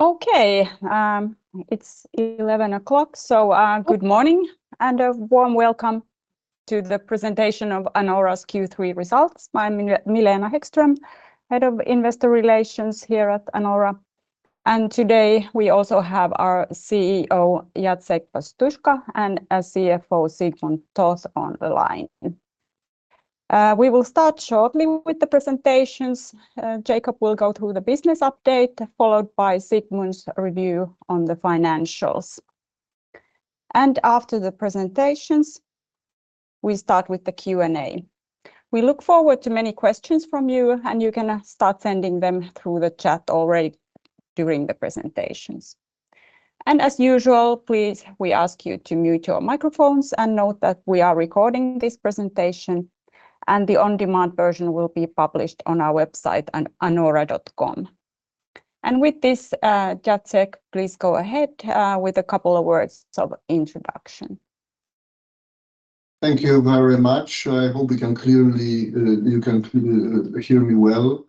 Okay, it's 11:00 A.M., so, good morning, and a warm welcome to the presentation of Anora's Q3 results. I'm Milena Hæggström, Head of Investor Relations here at Anora. And today, we also have our CEO, Jacek Pastuszka, and our CFO, Sigmund Toth, on the line. We will start shortly with the presentations. Jacek will go through the business update, followed by Sigmund's review on the financials. And after the presentations, we start with the Q&A. We look forward to many questions from you, and you can start sending them through the chat already during the presentations. And as usual, please, we ask you to mute your microphones and note that we are recording this presentation, and the on-demand version will be published on our website at anora.com. And with this, Jacek, please go ahead, with a couple of words of introduction. Thank you very much. I hope we can clearly... you can hear me well.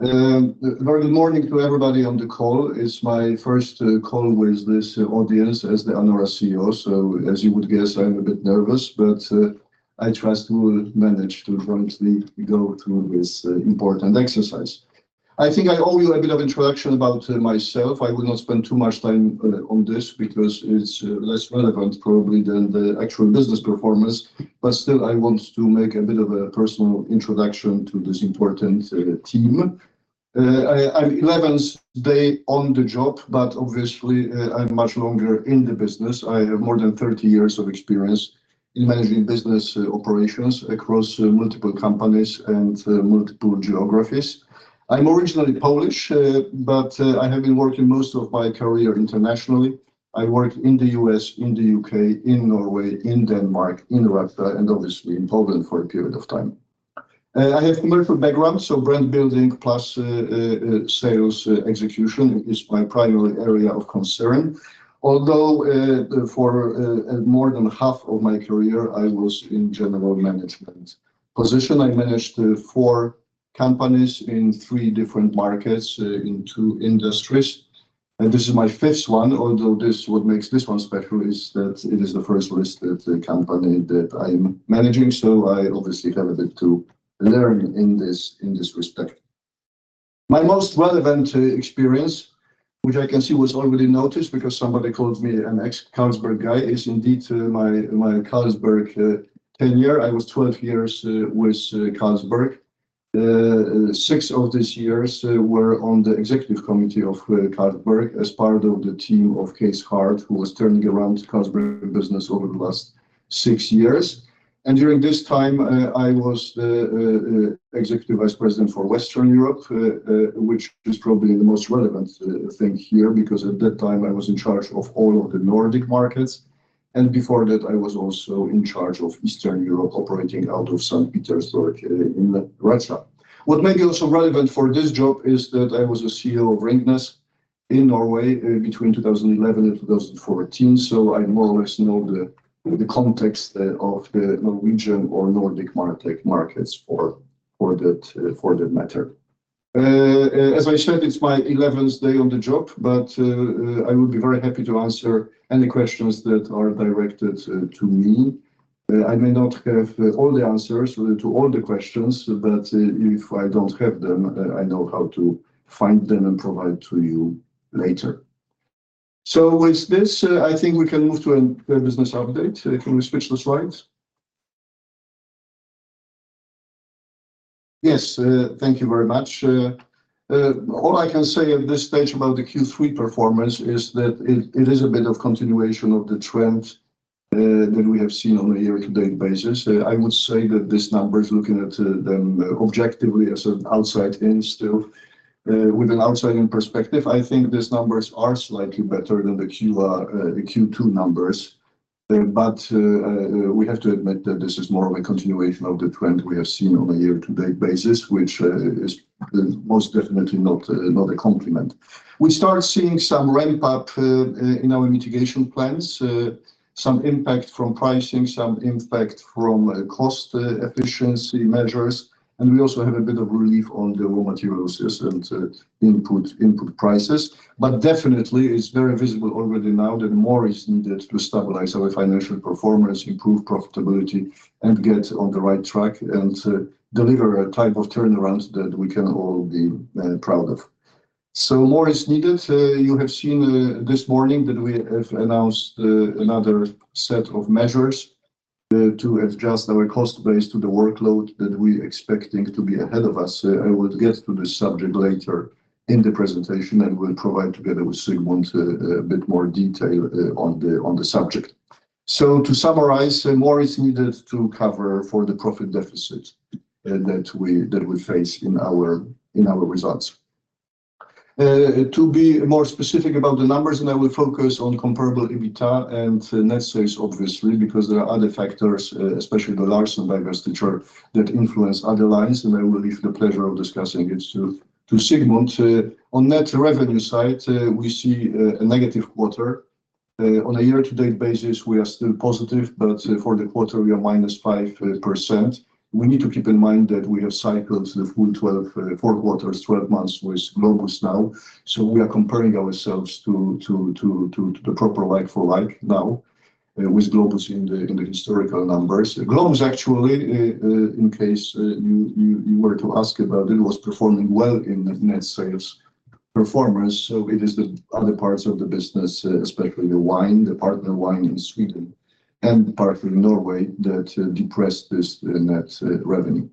Very good morning to everybody on the call. It's my first call with this audience as the Anora CEO, so as you would guess, I'm a bit nervous, but I trust we will manage to jointly go through this important exercise. I think I owe you a bit of introduction about myself. I will not spend too much time on this because it's less relevant probably than the actual business performance, but still, I want to make a bit of a personal introduction to this important team. I'm 11th day on the job, but obviously, I'm much longer in the business. I have more than 30 years of experience in managing business operations across multiple companies and multiple geographies. I'm originally Polish, but I have been working most of my career internationally. I worked in the U.S., in the U.K., in Norway, in Denmark, in Russia, and obviously in Poland for a period of time. I have commercial background, so brand building, plus sales execution is my primary area of concern. Although, for more than half of my career, I was in general management position. I managed four companies in three different markets, in two industries, and this is my fifth one. Although, this is what makes this one special, is that it is the first listed company that I'm managing, so I obviously have a bit to learn in this respect. My most relevant experience, which I can see was already noticed because somebody called me an ex-Carlsberg guy, is indeed my Carlsberg tenure. I was 12 years with Carlsberg. Six of these years were on the executive committee of Carlsberg as part of the team of Cees 't Hart, who was turning around Carlsberg business over the last six years. And during this time, I was the Executive Vice President for Western Europe, which is probably the most relevant thing here, because at that time, I was in charge of all of the Nordic markets, and before that, I was also in charge of Eastern Europe, operating out of St. Petersburg in Russia. What may be also relevant for this job is that I was a CEO of Ringnes in Norway between 2011 and 2014, so I more or less know the context of the Norwegian or Nordic markets for that matter. As I said, it's my eleventh day on the job, but I would be very happy to answer any questions that are directed to me. I may not have all the answers to all the questions, but if I don't have them, I know how to find them and provide to you later. So with this, I think we can move to a business update. Can we switch the slides? Yes, thank you very much. All I can say at this stage about the Q3 performance is that it is a bit of continuation of the trend that we have seen on a year-to-date basis. I would say that this number is looking at them objectively with an outside-in perspective. I think these numbers are slightly better than the Q2 numbers. But we have to admit that this is more of a continuation of the trend we have seen on a year to date basis, which is most definitely not a compliment. We started seeing some ramp up in our mitigation plans, some impact from pricing, some impact from cost efficiency measures, and we also had a bit of relief on the raw materials and input prices. Definitely, it's very visible already now that more is needed to stabilize our financial performance, improve profitability, and get on the right track, and to deliver a type of turnarounds that we can all be proud of. More is needed. You have seen this morning that we have announced another set of measures to adjust our cost base to the workload that we expecting to be ahead of us. I will get to this subject later in the presentation, and we'll provide, together with Sigmund, a bit more detail on the subject. To summarize, more is needed to cover for the profit deficit that we face in our results. To be more specific about the numbers, and I will focus on comparable EBITDA and net sales, obviously, because there are other factors, especially the large divestiture, that influence other lines, and I will leave the pleasure of discussing this to Sigmund. On net revenue side, we see a negative quarter, on a year-to-date basis, we are still positive, but for the quarter, we are minus 5%. We need to keep in mind that we have cycled the full 12, 4 quarters, 12 months with Globus now. So we are comparing ourselves to the proper like for like now, with Globus in the historical numbers. Globus actually, in case you were to ask about it, was performing well in the net sales performance, so it is the other parts of the business, especially the wine, the partner wine in Sweden and partly Norway, that depressed this, the net revenue.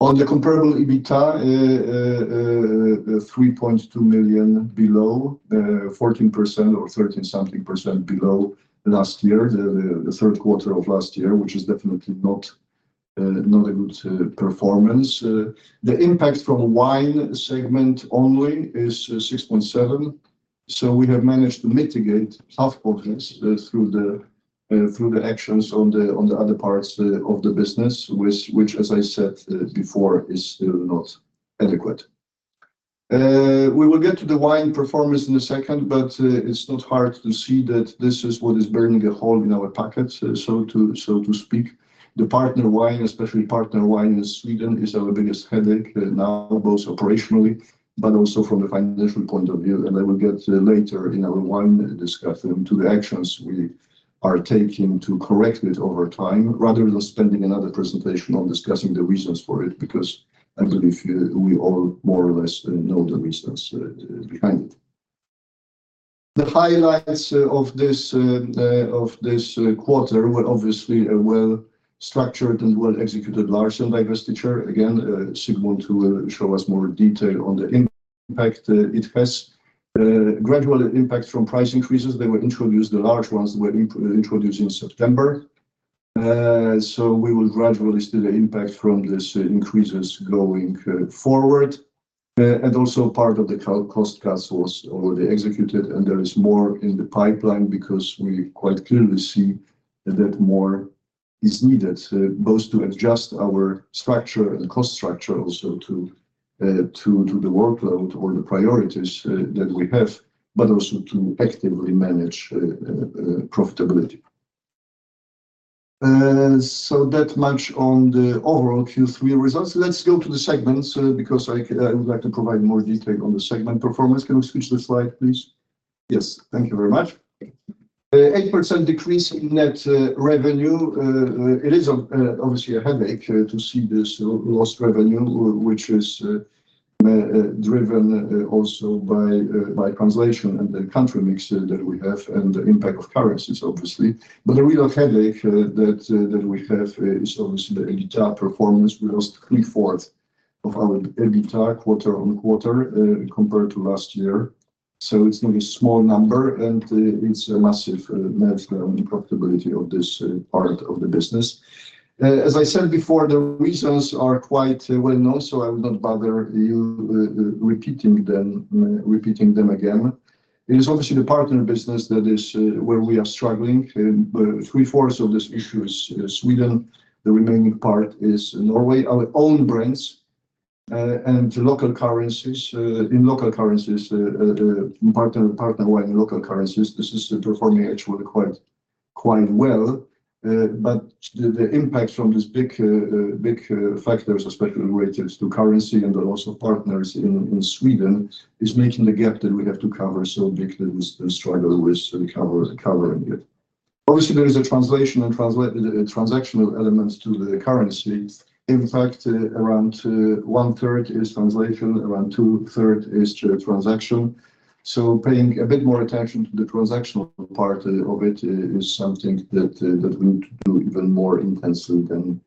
On the comparable EBITDA, the 3.2 million below 14% or 13-something% below last year, the third quarter of last year, which is definitely not a good performance. The impact from wine segment only is 6.7 million, so we have managed to mitigate half of this through the actions on the other parts of the business, which, as I said before, is still not adequate. We will get to the wine performance in a second, but it's not hard to see that this is what is burning a hole in our pockets, so to speak. The partner wine, especially partner wine in Sweden, is our biggest headache now, both operationally but also from the financial point of view. I will get later in our wine discussion to the actions we are taking to correct it over time, rather than spending another presentation on discussing the reasons for it, because I believe we all more or less know the reasons behind it. The highlights of this quarter were obviously a well-structured and well-executed Larsen divestiture. Again, Sigmund will show us more detail on the impact it has. Gradual impact from price increases that were introduced, the large ones were introduced in September, so we will gradually see the impact from these increases going forward. And also part of the cost cuts was already executed, and there is more in the pipeline because we quite clearly see that more is needed, both to adjust our structure and cost structure also to the workload or the priorities that we have, but also to actively manage profitability. So that much on the overall Q3 results. Let's go to the segments, because I would like to provide more detail on the segment performance. Can we switch the slide, please? Yes, thank you very much. 8% decrease in net revenue. It is obviously a headache to see this loss revenue, which is driven also by translation and the country mix that we have, and the impact of currencies, obviously. But the real headache that we have is obviously the EBITDA performance. We lost three-fourths of our EBITDA quarter-over-quarter compared to last year. So it's not a small number, and it's a massive hit on the profitability of this part of the business. As I said before, the reasons are quite well known, so I will not bother you repeating them again. It is obviously the partner business that is where we are struggling. But three-fourths of this issue is Sweden. The remaining part is Norway. Our own brands and local currencies, in local currencies, partner wine in local currencies, this is performing actually quite well. But the impact from these big factors, especially related to currency and the loss of partners in Sweden, is making the gap that we have to cover so big that we struggle with covering it. Obviously, there is a translation and transactional elements to the currency. In fact, around one third is translation, around two third is transaction. So paying a bit more attention to the transactional part of it is something that we need to do even more intensely than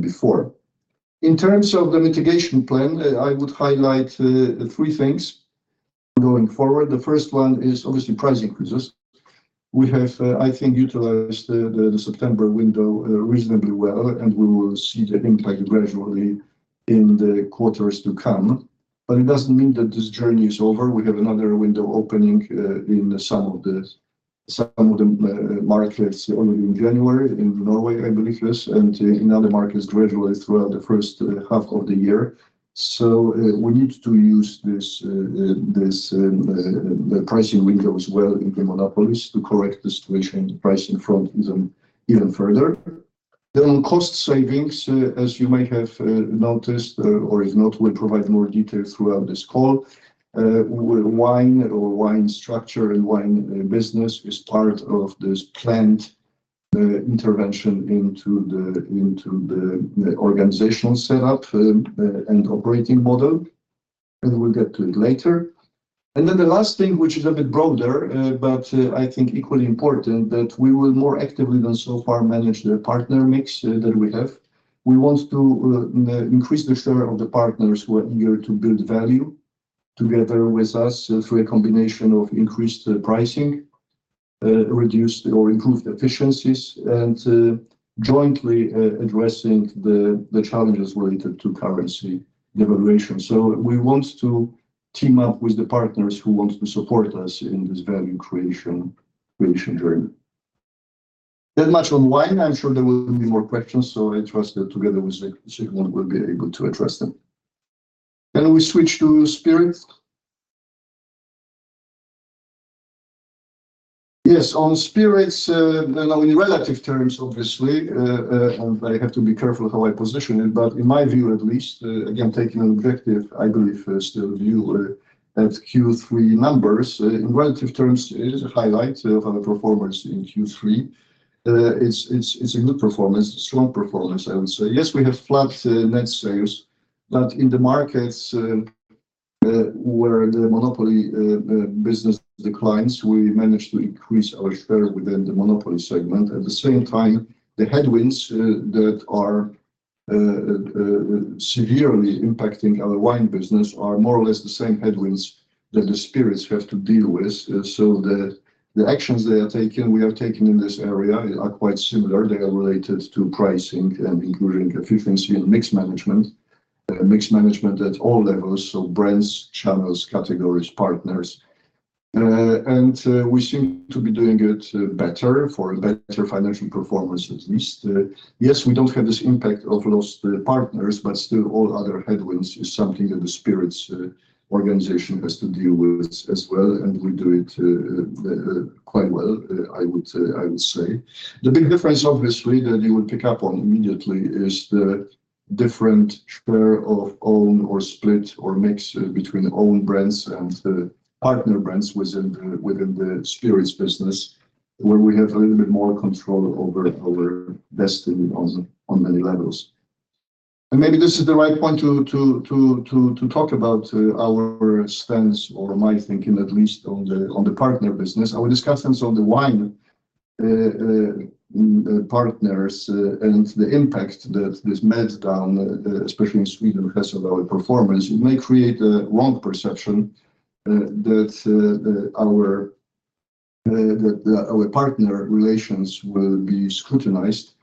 before. In terms of the mitigation plan, I would highlight three things going forward. The first one is obviously price increases. We have, I think, utilized the September window reasonably well, and we will see the impact gradually in the quarters to come. But it doesn't mean that this journey is over. We have another window opening in some of the markets only in January, in Norway, I believe it is, and in other markets gradually throughout the first half of the year. So, we need to use this pricing window as well in the monopolies to correct the situation pricing front even further. Then on cost savings, as you may have noticed, or if not, we'll provide more details throughout this call. With wine or wine structure and wine business is part of this planned intervention into the organizational setup and operating model, and we'll get to it later. And then the last thing, which is a bit broader, but I think equally important, that we will more actively than so far manage the partner mix that we have. We want to increase the share of the partners who are eager to build value together with us through a combination of increased pricing, reduced or improved efficiencies, and jointly addressing the challenges related to currency devaluation. So we want to team up with the partners who want to support us in this value creation journey. That much on wine. I'm sure there will be more questions, so I trust that together with Sigmund, we'll be able to address them. Can we switch to spirits? Yes, on spirits, now in relative terms, obviously, and I have to be careful how I position it, but in my view at least, again, taking an objective, I believe, still view, at Q3 numbers, in relative terms, it is a highlight of our performance in Q3. It's a good performance, strong performance, I would say. Yes, we have flat net sales, but in the markets where the monopoly business declines, we managed to increase our share within the monopoly segment. At the same time, the headwinds that are severely impacting our wine business are more or less the same headwinds that the spirits have to deal with. So the actions they are taking we have taken in this area are quite similar. They are related to pricing and including efficiency and mix management. Mix management at all levels, so brands, channels, categories, partners. And we seem to be doing it better for better financial performance at least. Yes, we don't have this impact of lost partners, but still all other headwinds is something that the spirits organization has to deal with as well, and we do it quite well, I would say, I would say. The big difference, obviously, that you would pick up on immediately is the different share of own or split or mix between own brands and the partner brands within the spirits business, where we have a little bit more control over destiny on many levels. And maybe this is the right point to talk about our stance or my thinking, at least on the partner business. Our discussions on the wine partners and the impact that this meltdown, especially in Sweden, has on our performance. It may create a wrong perception that our partner relations will be scrutinized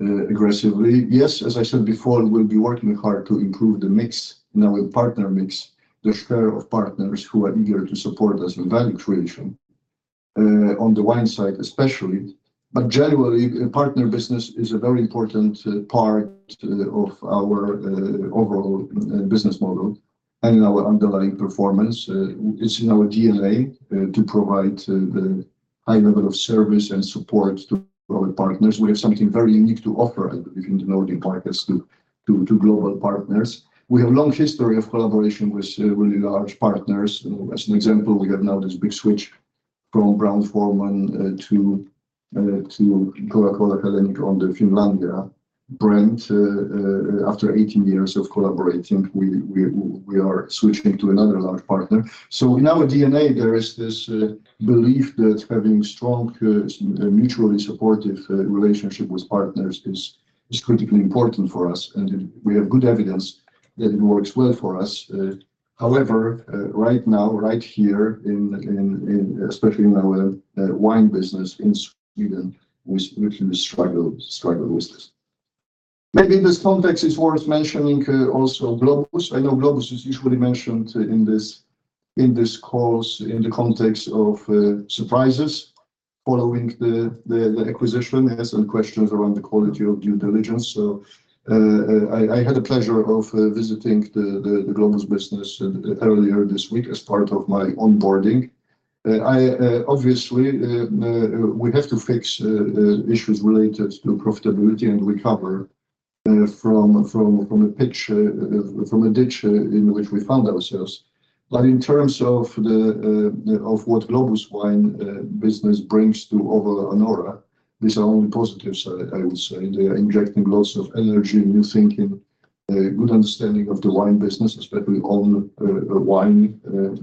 aggressively. Yes, as I said before, we'll be working hard to improve the mix, and our partner mix, the share of partners who are eager to support us with value creation on the wine side especially. But generally, partner business is a very important part of our overall business model and in our underlying performance. It's in our DNA to provide high level of service and support to our partners. We have something very unique to offer between the Nordic markets to global partners. We have a long history of collaboration with really large partners. As an example, we have now this big switch from Brown-Forman to Coca-Cola Hellenic on the Finlandia brand. After 18 years of collaborating, we are switching to another large partner. So in our DNA, there is this belief that having strong mutually supportive relationship with partners is critically important for us, and we have good evidence that it works well for us. However, right now, right here in especially in our wine business in Sweden, we really struggle with this. Maybe in this context, it's worth mentioning also Globus. I know Globus is usually mentioned in these calls, in the context of surprises following the acquisition and some questions around the quality of due diligence. So, I had the pleasure of visiting the Globus business earlier this week as part of my onboarding. I obviously we have to fix issues related to profitability and recover from a pitch from a ditch in which we found ourselves. But in terms of what Globus Wine business brings to overall Anora, these are only positives, I would say. They are injecting lots of energy, new thinking, a good understanding of the wine business, especially own wine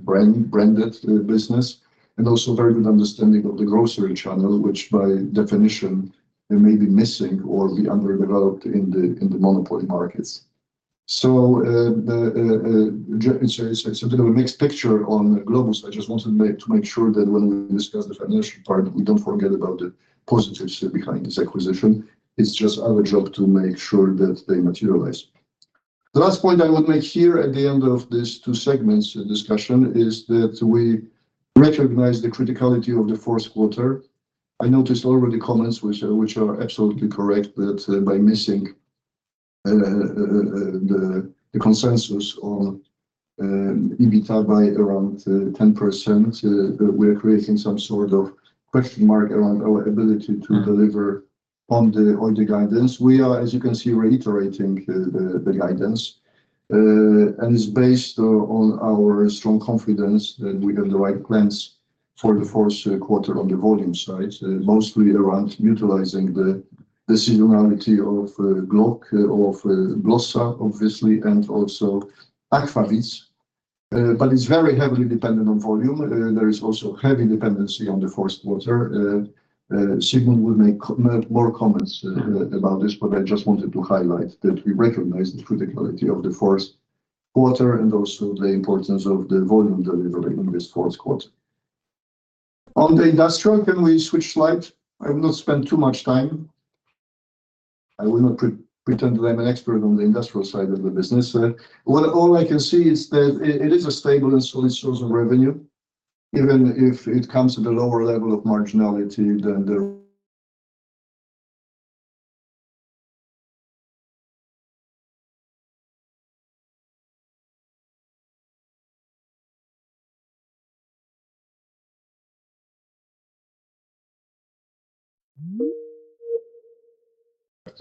brand-branded business, and also very good understanding of the grocery channel, which by definition may be missing or be underdeveloped in the monopoly markets. So the next picture on Globus, I just wanted to make sure that when we discuss the financial part, we don't forget about the positives behind this acquisition. It's just our job to make sure that they materialize. The last point I would make here at the end of these two segments discussion is that we recognize the criticality of the fourth quarter. I noticed already comments which are absolutely correct, that by missing the consensus on EBITDA by around 10%, we're creating some sort of question mark around our ability to deliver on the guidance. We are, as you can see, reiterating the guidance, and it's based on our strong confidence that we have the right plans for the fourth quarter on the volume side, mostly around utilizing the seasonality of glögg, of Blossa obviously, and also aquavit. But it's very heavily dependent on volume. There is also heavy dependency on the fourth quarter. Sigmund will make more comments about this, but I just wanted to highlight that we recognize the criticality of the fourth quarter and also the importance of the volume delivery in this fourth quarter. On the industrial, can we switch slide? I will not spend too much time. I will not pretend that I'm an expert on the industrial side of the business. Well, all I can see is that it is a stable and solid source of revenue, even if it comes at a lower level of marginality than the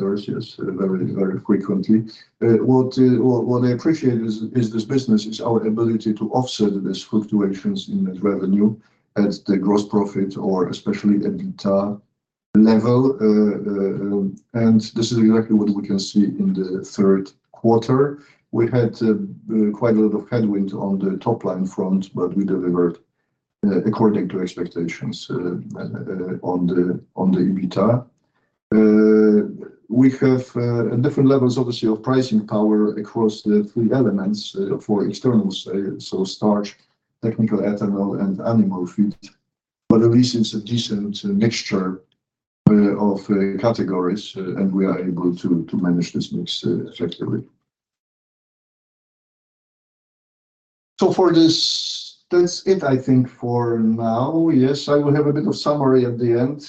- Yes, very, very frequently. What I appreciate is this business, our ability to offset this fluctuations in net revenue at the gross profit or especially EBITDA level. And this is exactly what we can see in the third quarter. We had quite a lot of headwind on the top line front, but we delivered according to expectations on the EBITDA. We have different levels, obviously, of pricing power across the three elements for externals. So starch, technical ethanol, and animal feed. But at least it's a decent mixture of categories and we are able to manage this mix effectively. So for this, that's it, I think, for now. Yes, I will have a bit of summary at the end.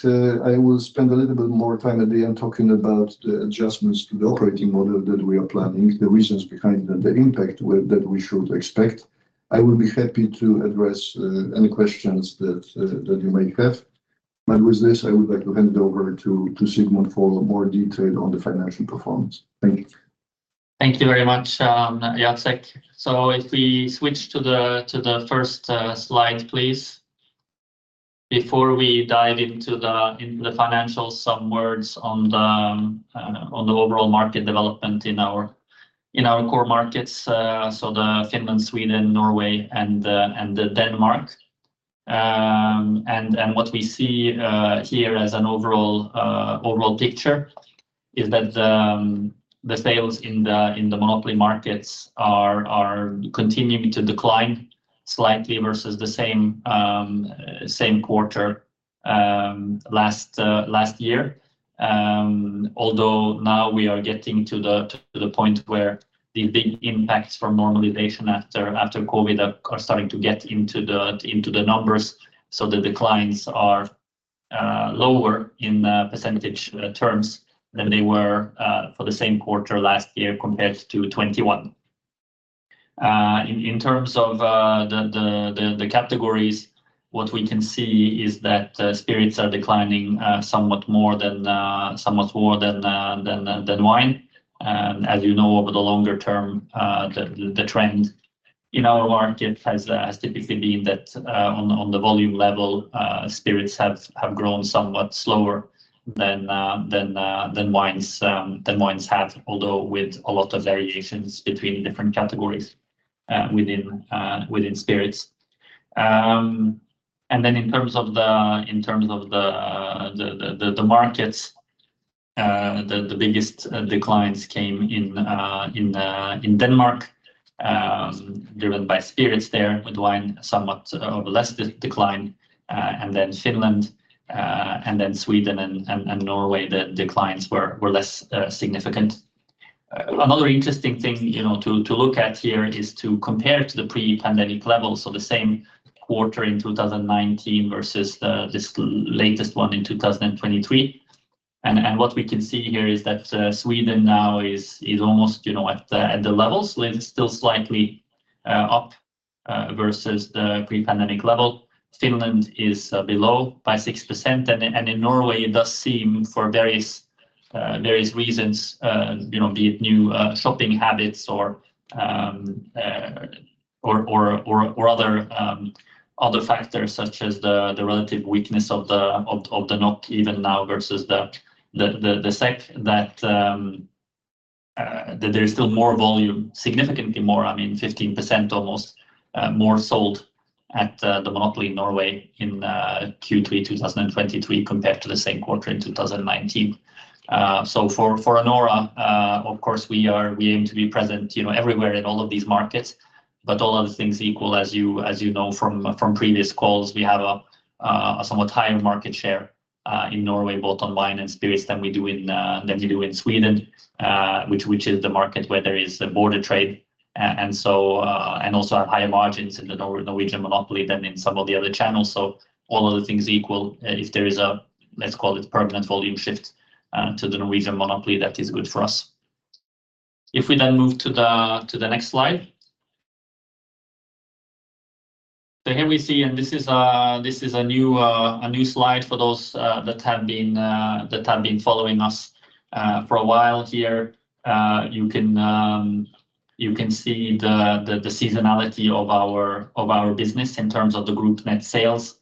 I will spend a little bit more time at the end talking about the adjustments to the operating model that we are planning, the reasons behind them, the impact that we should expect. I will be happy to address any questions that you may have. With this, I would like to hand it over to Sigmund for more detail on the financial performance. Thank you. Thank you very much, Jacek. So if we switch to the first slide, please. Before we dive into the financials, some words on the overall market development in our core markets, so in Finland, Sweden, Norway, and Denmark. What we see here as an overall picture is that the sales in the monopoly markets are continuing to decline slightly versus the same quarter last year. Although now we are getting to the point where the big impacts from normalization after COVID are starting to get into the numbers. So the declines are lower in percentage terms than they were for the same quarter last year compared to 2021. In terms of the categories, what we can see is that spirits are declining somewhat more than wine. And as you know, over the longer term, the trend in our market has typically been that on the volume level, spirits have grown somewhat slower than wines have, although with a lot of variations between different categories within spirits. And then in terms of the markets, the biggest declines came in Denmark, driven by spirits there, with wine somewhat of a less decline, and then Finland, and then Sweden and Norway, the declines were less significant. Another interesting thing, you know, to look at here is to compare to the pre-pandemic levels, so the same quarter in 2019 versus this latest one in 2023. And what we can see here is that Sweden now is almost, you know, at the levels, still slightly up versus the pre-pandemic level. Finland is below by 6%. In Norway, it does seem for various reasons, you know, be it new shopping habits or other factors such as the relative weakness of the NOK even now versus the SEK that there's still more volume, significantly more, I mean, 15% almost, more sold at the monopoly in Norway in Q3 2023 compared to the same quarter in 2019. So for Anora, of course we are. We aim to be present, you know, everywhere in all of these markets. But all other things equal, as you know from previous calls, we have a somewhat higher market share in Norway, both on wine and spirits, than we do in Sweden, which is the market where there is a border trade. And so, and also higher margins in the Norwegian monopoly than in some of the other channels. So all other things equal, if there is a let's call it permanent volume shift to the Norwegian monopoly, that is good for us. If we then move to the next slide. So here we see, and this is a new slide for those that have been following us for a while here. You can see the seasonality of our business in terms of the group net sales.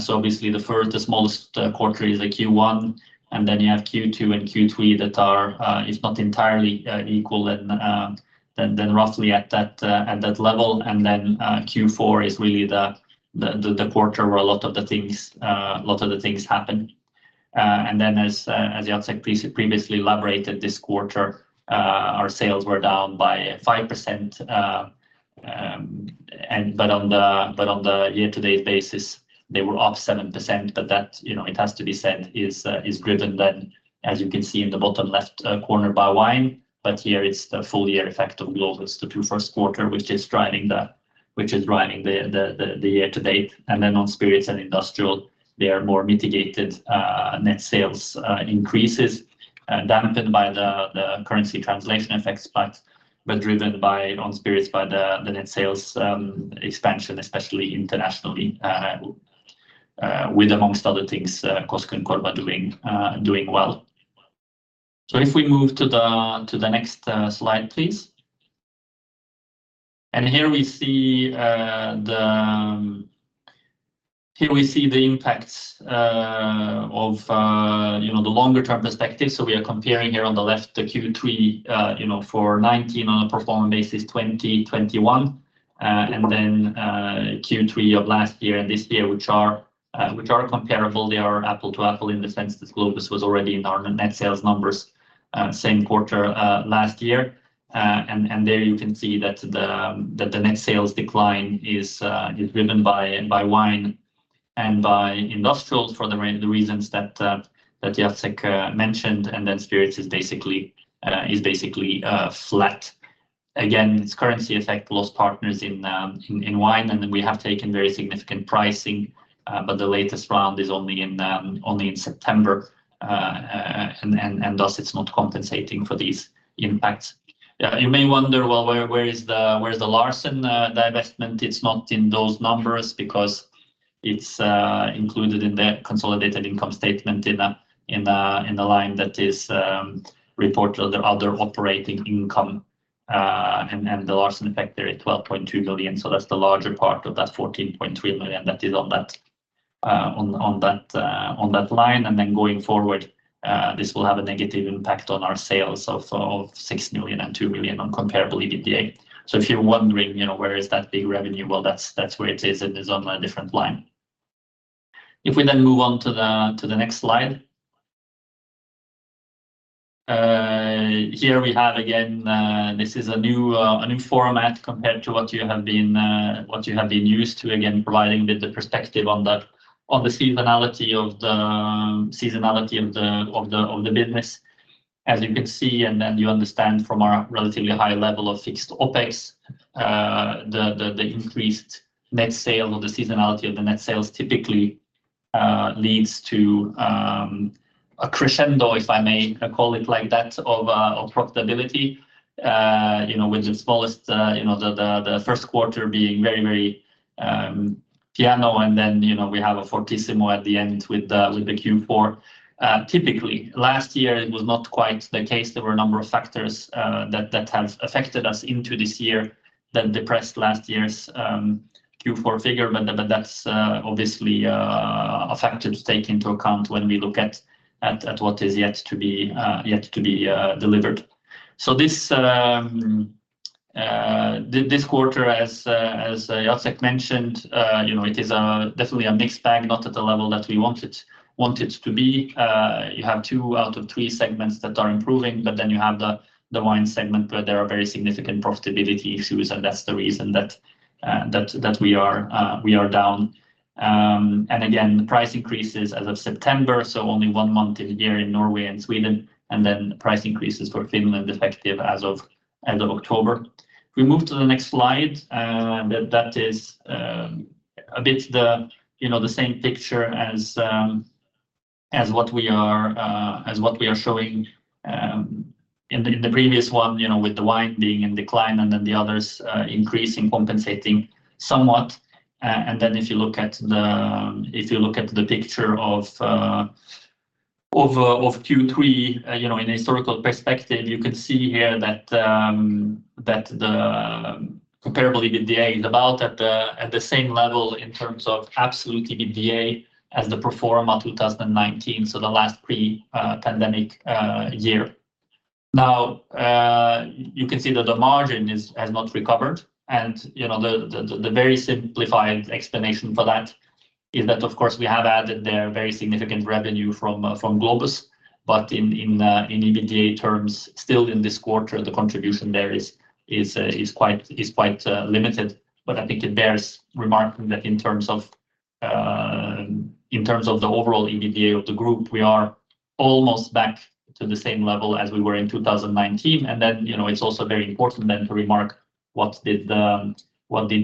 So obviously the first, the smallest quarter is the Q1, and then you have Q2 and Q3 that are, if not entirely equal, then roughly at that level. And then Q4 is really the quarter where a lot of the things happened. And then as Jacek previously elaborated, this quarter our sales were down by 5%. But on the year-to-date basis, they were up 7%, but that, you know, it has to be said, is driven then, as you can see in the bottom left corner by wine. But here it's the full year effect of Globus, the two first quarter, which is driving the year to date. And then on spirits and industrial, they are more mitigated net sales increases, dampened by the currency translation effects, but driven by, on spirits by the net sales expansion, especially internationally, with amongst other things, Koskenkorva doing well. So if we move to the next slide, please. And here we see the impacts of you know, the longer term perspective. So we are comparing here on the left, the Q3 for '19 on a pro forma basis, 2021. And then Q3 of last year and this year, which are comparable. They are apples to apples in the sense that Globus was already in our net sales numbers, same quarter last year. There you can see that the net sales decline is driven by wine and by industrials, for the reasons that Jacek mentioned, and then spirits is basically flat. Again, it's currency effect, lost partners in wine, and then we have taken very significant pricing, but the latest round is only in September. Thus, it's not compensating for these impacts. You may wonder, well, where is the Larsen divestment? It's not in those numbers because it's included in the consolidated income statement in the line that is reported under other operating income. And the Larsen effect there is 12.2 million, so that's the larger part of that 14.3 million that is on that line. And then going forward, this will have a negative impact on our sales of 6 million and 2 million on comparable EBITDA. So if you're wondering, you know, where is that big revenue, well, that's where it is, it is on a different line. If we then move on to the next slide. Here we have again, this is a new, a new format compared to what you have been, what you have been used to, again, providing a bit of perspective on the seasonality of the seasonality of the business. As you can see, and then you understand from our relatively high level of fixed OpEx, the increased net sales or the seasonality of the net sales typically leads to a crescendo, if I may call it like that, of profitability. You know, with its smallest, you know, the first quarter being very, very piano and then, you know, we have a fortissimo at the end with the Q4. Typically, last year it was not quite the case. There were a number of factors that have affected us into this year that depressed last year's Q4 figure. But that's obviously a factor to take into account when we look at what is yet to be delivered. So this quarter, as Jacek mentioned, you know, it is definitely a mixed bag, not at the level that we want it to be. You have two out of three segments that are improving, but then you have the wine segment, where there are very significant profitability issues, and that's the reason that we are down. And again, the price increases as of September, so only one month in a year in Norway and Sweden, and then price increases for Finland, effective as of end of October. We move to the next slide, that is a bit, you know, the same picture as what we are showing in the previous one, you know, with the wine being in decline and then the others increasing, compensating somewhat. And then if you look at the picture of Q3, you know, in a historical perspective, you can see here that the Comparable EBITDA is about at the same level in terms of absolute EBITDA as the pro forma 2019, so the last pre-pandemic year. Now, you can see that the margin has not recovered. You know, the very simplified explanation for that is that, of course, we have added there very significant revenue from Globus, but in EBITDA terms, still in this quarter, the contribution there is quite limited. But I think it bears remark that in terms of, in terms of the overall EBITDA of the group, we are almost back to the same level as we were in 2019. And then, you know, it's also very important then to remark what did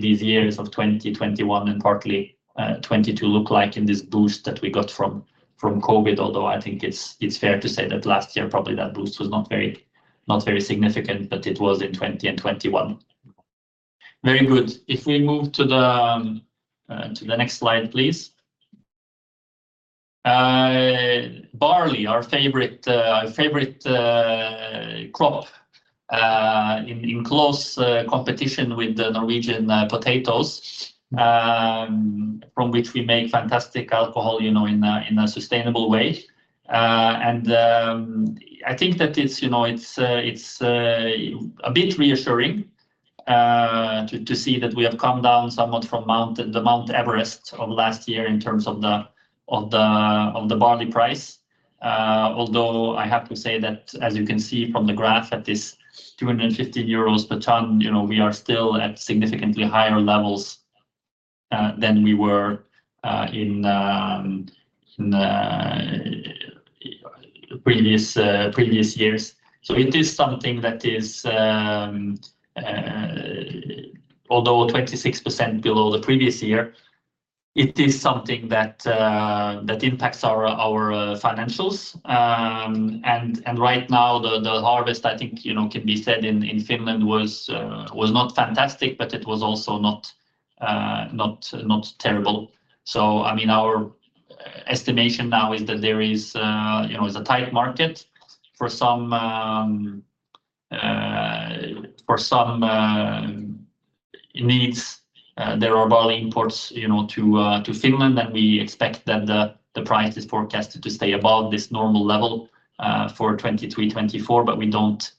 these years of 2021 and partly, 2022 look like in this boost that we got from, from Covid. Although I think it's fair to say that last year, probably that boost was not very significant, but it was in 2020 and 2021. Very good. If we move to the next slide, please. Barley, our favorite crop, in close competition with the Norwegian potatoes, from which we make fantastic alcohol, you know, in a sustainable way. And, I think that it's, you know, it's a bit reassuring to see that we have come down somewhat from the Mount Everest of last year in terms of the barley price. Although I have to say that, as you can see from the graph, at this 250 euros per ton, you know, we are still at significantly higher levels than we were in previous years. So it is something that is, although 26% below the previous year, it is something that impacts our financials. And right now, the harvest, I think, you know, can be said in Finland was not fantastic, but it was also not terrible. So, I mean, our estimation now is that there is, you know, is a tight market for some needs, there are barley imports, you know, to, to Finland, and we expect that the price is forecasted to stay above this normal level, for 2023, 2024, but we don't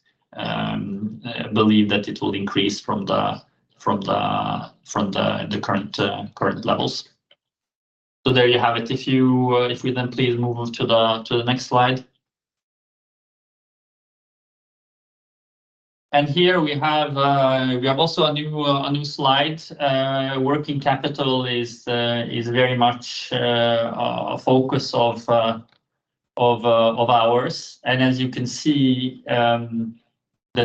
believe that it will increase from the current levels. So there you have it. If you, if we then please move on to the next slide. And here we have, we have also a new, a new slide. Working capital is, is very much, a focus of, of, of ours. And as you can see, the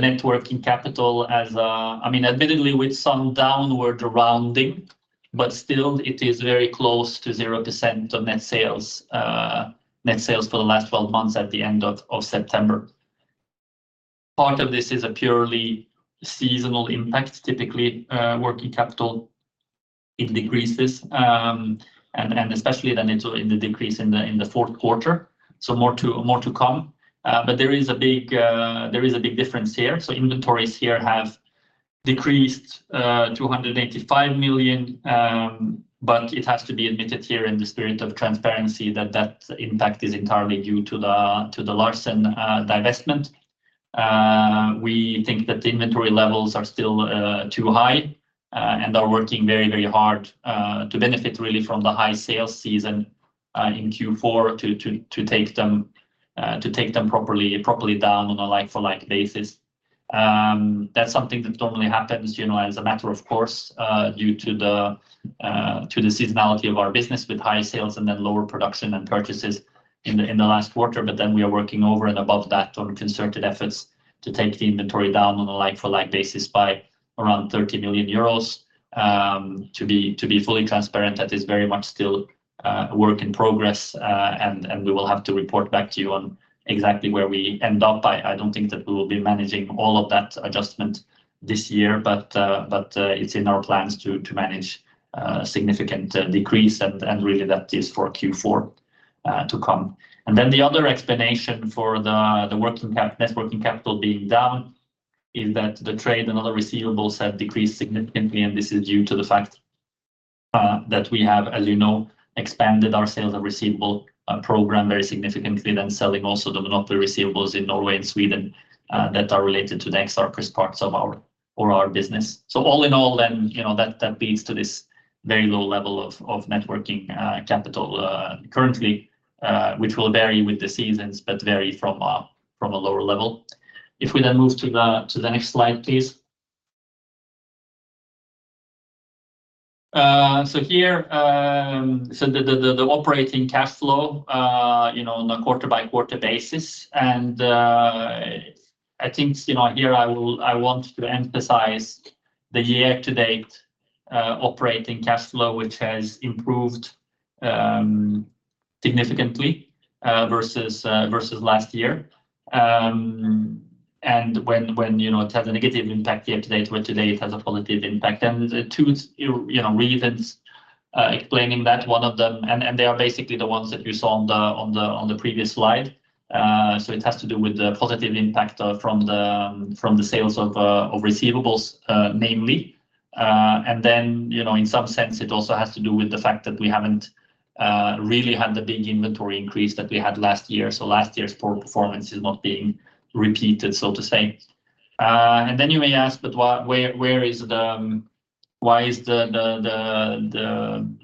net working capital as... I mean, admittedly, with some downward rounding, but still it is very close to 0% of net sales for the last twelve months at the end of September. Part of this is a purely seasonal impact. Typically, working capital it decreases, and especially then it will decrease in the fourth quarter, so more to come. But there is a big difference here. So inventories here have decreased 285 million. But it has to be admitted here, in the spirit of transparency, that that impact is entirely due to the Larsen divestment. We think that the inventory levels are still too high and are working very, very hard to benefit really from the high sales season in Q4 to take them properly down on a like-for-like basis. That's something that normally happens, you know, as a matter of course due to the seasonality of our business, with high sales and then lower production and purchases in the last quarter. But then we are working over and above that on concerted efforts to take the inventory down on a like for like basis by around 30 million euros. To be fully transparent, that is very much still a work in progress. And we will have to report back to you on exactly where we end up. I don't think that we will be managing all of that adjustment this year, but, but, it's in our plans to manage significant decrease, and, and really that is for Q4 to come. And then the other explanation for net working capital being down is that the trade and other receivables have decreased significantly, and this is due to the fact that we have, as you know, expanded our sales and receivable program very significantly, then selling also the monopoly receivables in Norway and Sweden that are related to the ex-Arcus parts of our business. So all in all then, you know, that leads to this very low level of net working capital currently, which will vary with the seasons, but vary from a lower level. If we then move to the next slide, please. So here, the operating cash flow, you know, on a quarter-by-quarter basis. And I think, you know, here I want to emphasize the year-to-date operating cash flow, which has improved significantly versus last year. And when, you know, it has a negative impact year to date, where to date it has a positive impact. And the two, you know, reasons explaining that, one of them. And they are basically the ones that you saw on the previous slide. So it has to do with the positive impact from the sales of receivables, namely. And then, you know, in some sense, it also has to do with the fact that we haven't really had the big inventory increase that we had last year. So last year's poor performance is not being repeated, so to say. And then you may ask, "But what, where, where is the why is the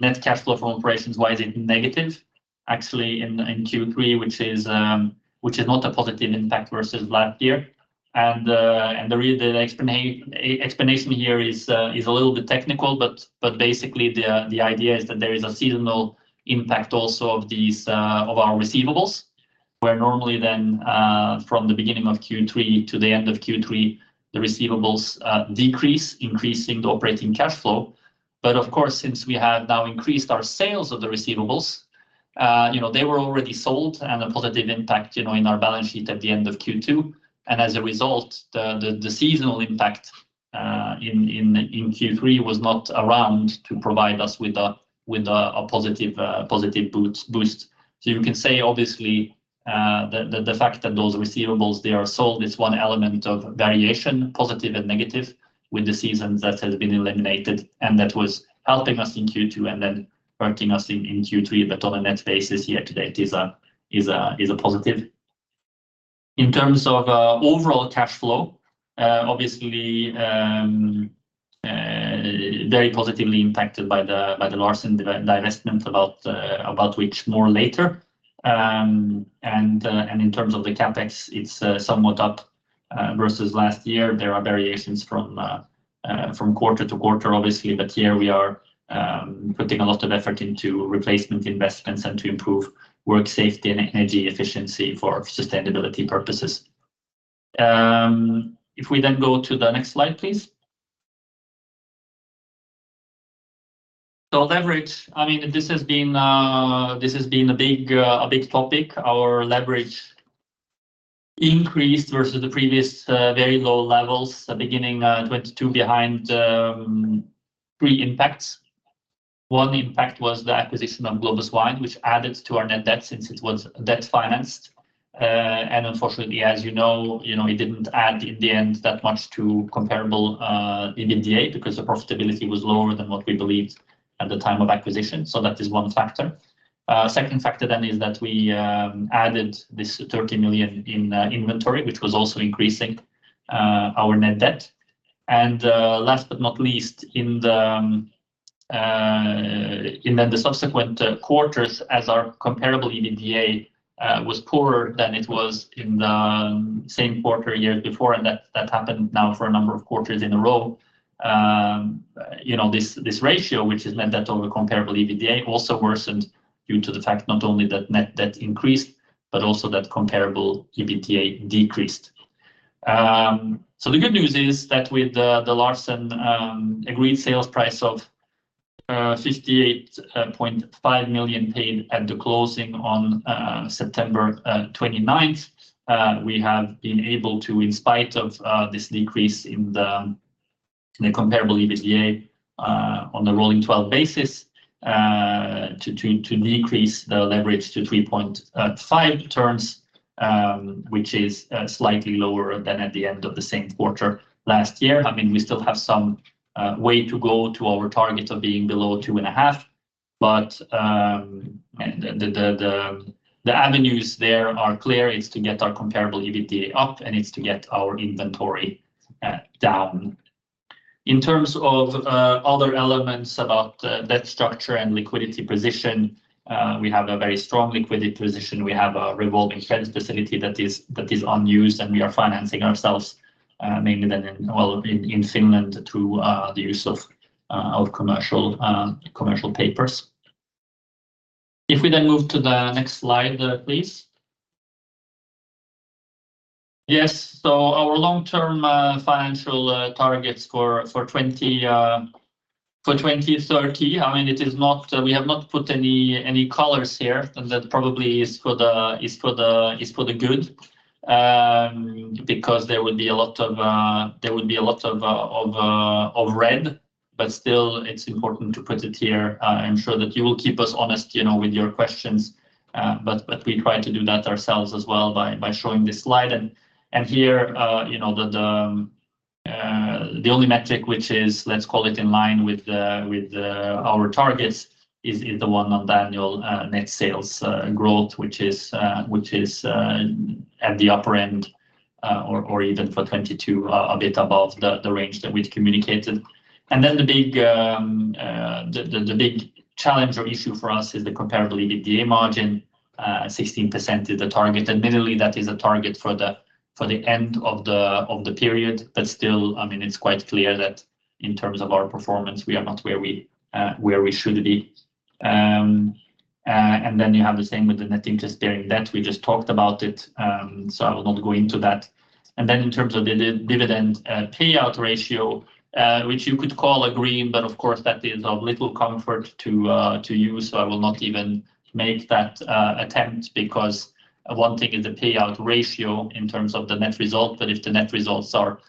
net cash flow from operations, why is it negative?" Actually, in Q3, which is not a positive impact versus last year. And the reason, the explanation here is a little bit technical, but basically the idea is that there is a seasonal impact also of these of our receivables, where normally then from the beginning of Q3 to the end of Q3, the receivables decrease, increasing the operating cash flow. But of course, since we have now increased our sales of the receivables, you know, they were already sold at a positive impact, you know, in our balance sheet at the end of Q2. And as a result, the seasonal impact in Q3 was not around to provide us with a positive boost. So you can say, obviously, the fact that those receivables they are sold is one element of variation, positive and negative with the season that has been eliminated, and that was helping us in Q2 and then hurting us in Q3. But on a net basis, year to date, it is a positive. In terms of overall cash flow, obviously very positively impacted by the Larsen divestment, about which more later. And in terms of the CapEx, it's somewhat up versus last year. There are variations from quarter to quarter, obviously, but here we are putting a lot of effort into replacement investments and to improve work safety and energy efficiency for sustainability purposes. If we then go to the next slide, please. Leverage, I mean, this has been a big topic. Our leverage increased versus the previous very low levels at beginning 2022 behind three impacts. One impact was the acquisition of Globus Wine, which added to our net debt since it was debt-financed. And unfortunately, as you know, you know, it didn't add in the end that much to Comparable EBITDA, because the profitability was lower than what we believed at the time of acquisition. So that is one factor. Second factor then is that we added this 30 million in inventory, which was also increasing our net debt. And last but not least, in the subsequent quarters, as our Comparable EBITDA was poorer than it was in the same quarter a year before, and that happened now for a number of quarters in a row. You know, this ratio, which is net debt over Comparable EBITDA, also worsened due to the fact not only that net debt increased, but also that Comparable EBITDA decreased. So the good news is that with the Larsen agreed sales price of 58.5 million paid at the closing on September 29th, we have been able to, in spite of this decrease in the comparable EBITDA on the rolling twelve basis, to decrease the leverage to 3.5x, which is slightly lower than at the end of the same quarter last year. I mean, we still have some way to go to our target of being below 2.5x, but the avenues there are clear. It's to get our comparable EBITDA up, and it's to get our inventory down. In terms of other elements about the debt structure and liquidity position, we have a very strong liquidity position. We have a revolving credit facility that is unused, and we are financing ourselves mainly in Finland through the use of our commercial papers. If we then move to the next slide, please. Yes, so our long-term financial targets for 2030, I mean, we have not put any colors here, and that probably is for the good. Because there would be a lot of red, but still, it's important to put it here. I'm sure that you will keep us honest, you know, with your questions, but we try to do that ourselves as well by showing this slide. Here, you know, the only metric which is, let's call it, in line with our targets is the one on the annual net sales growth, which is at the upper end, or even for 2022, a bit above the range that we'd communicated. Then the big challenge or issue for us is the Comparable EBITDA margin. 16% is the target. Admittedly, that is a target for the end of the period, but still, I mean, it's quite clear that in terms of our performance, we are not where we should be. Then you have the same with the net interest-bearing debt. We just talked about it, so I will not go into that. And then in terms of the dividend, payout ratio, which you could call a green, but of course, that is of little comfort to, to you, so I will not even make that, attempt, because one thing is the payout ratio in terms of the net result, but if the net results are,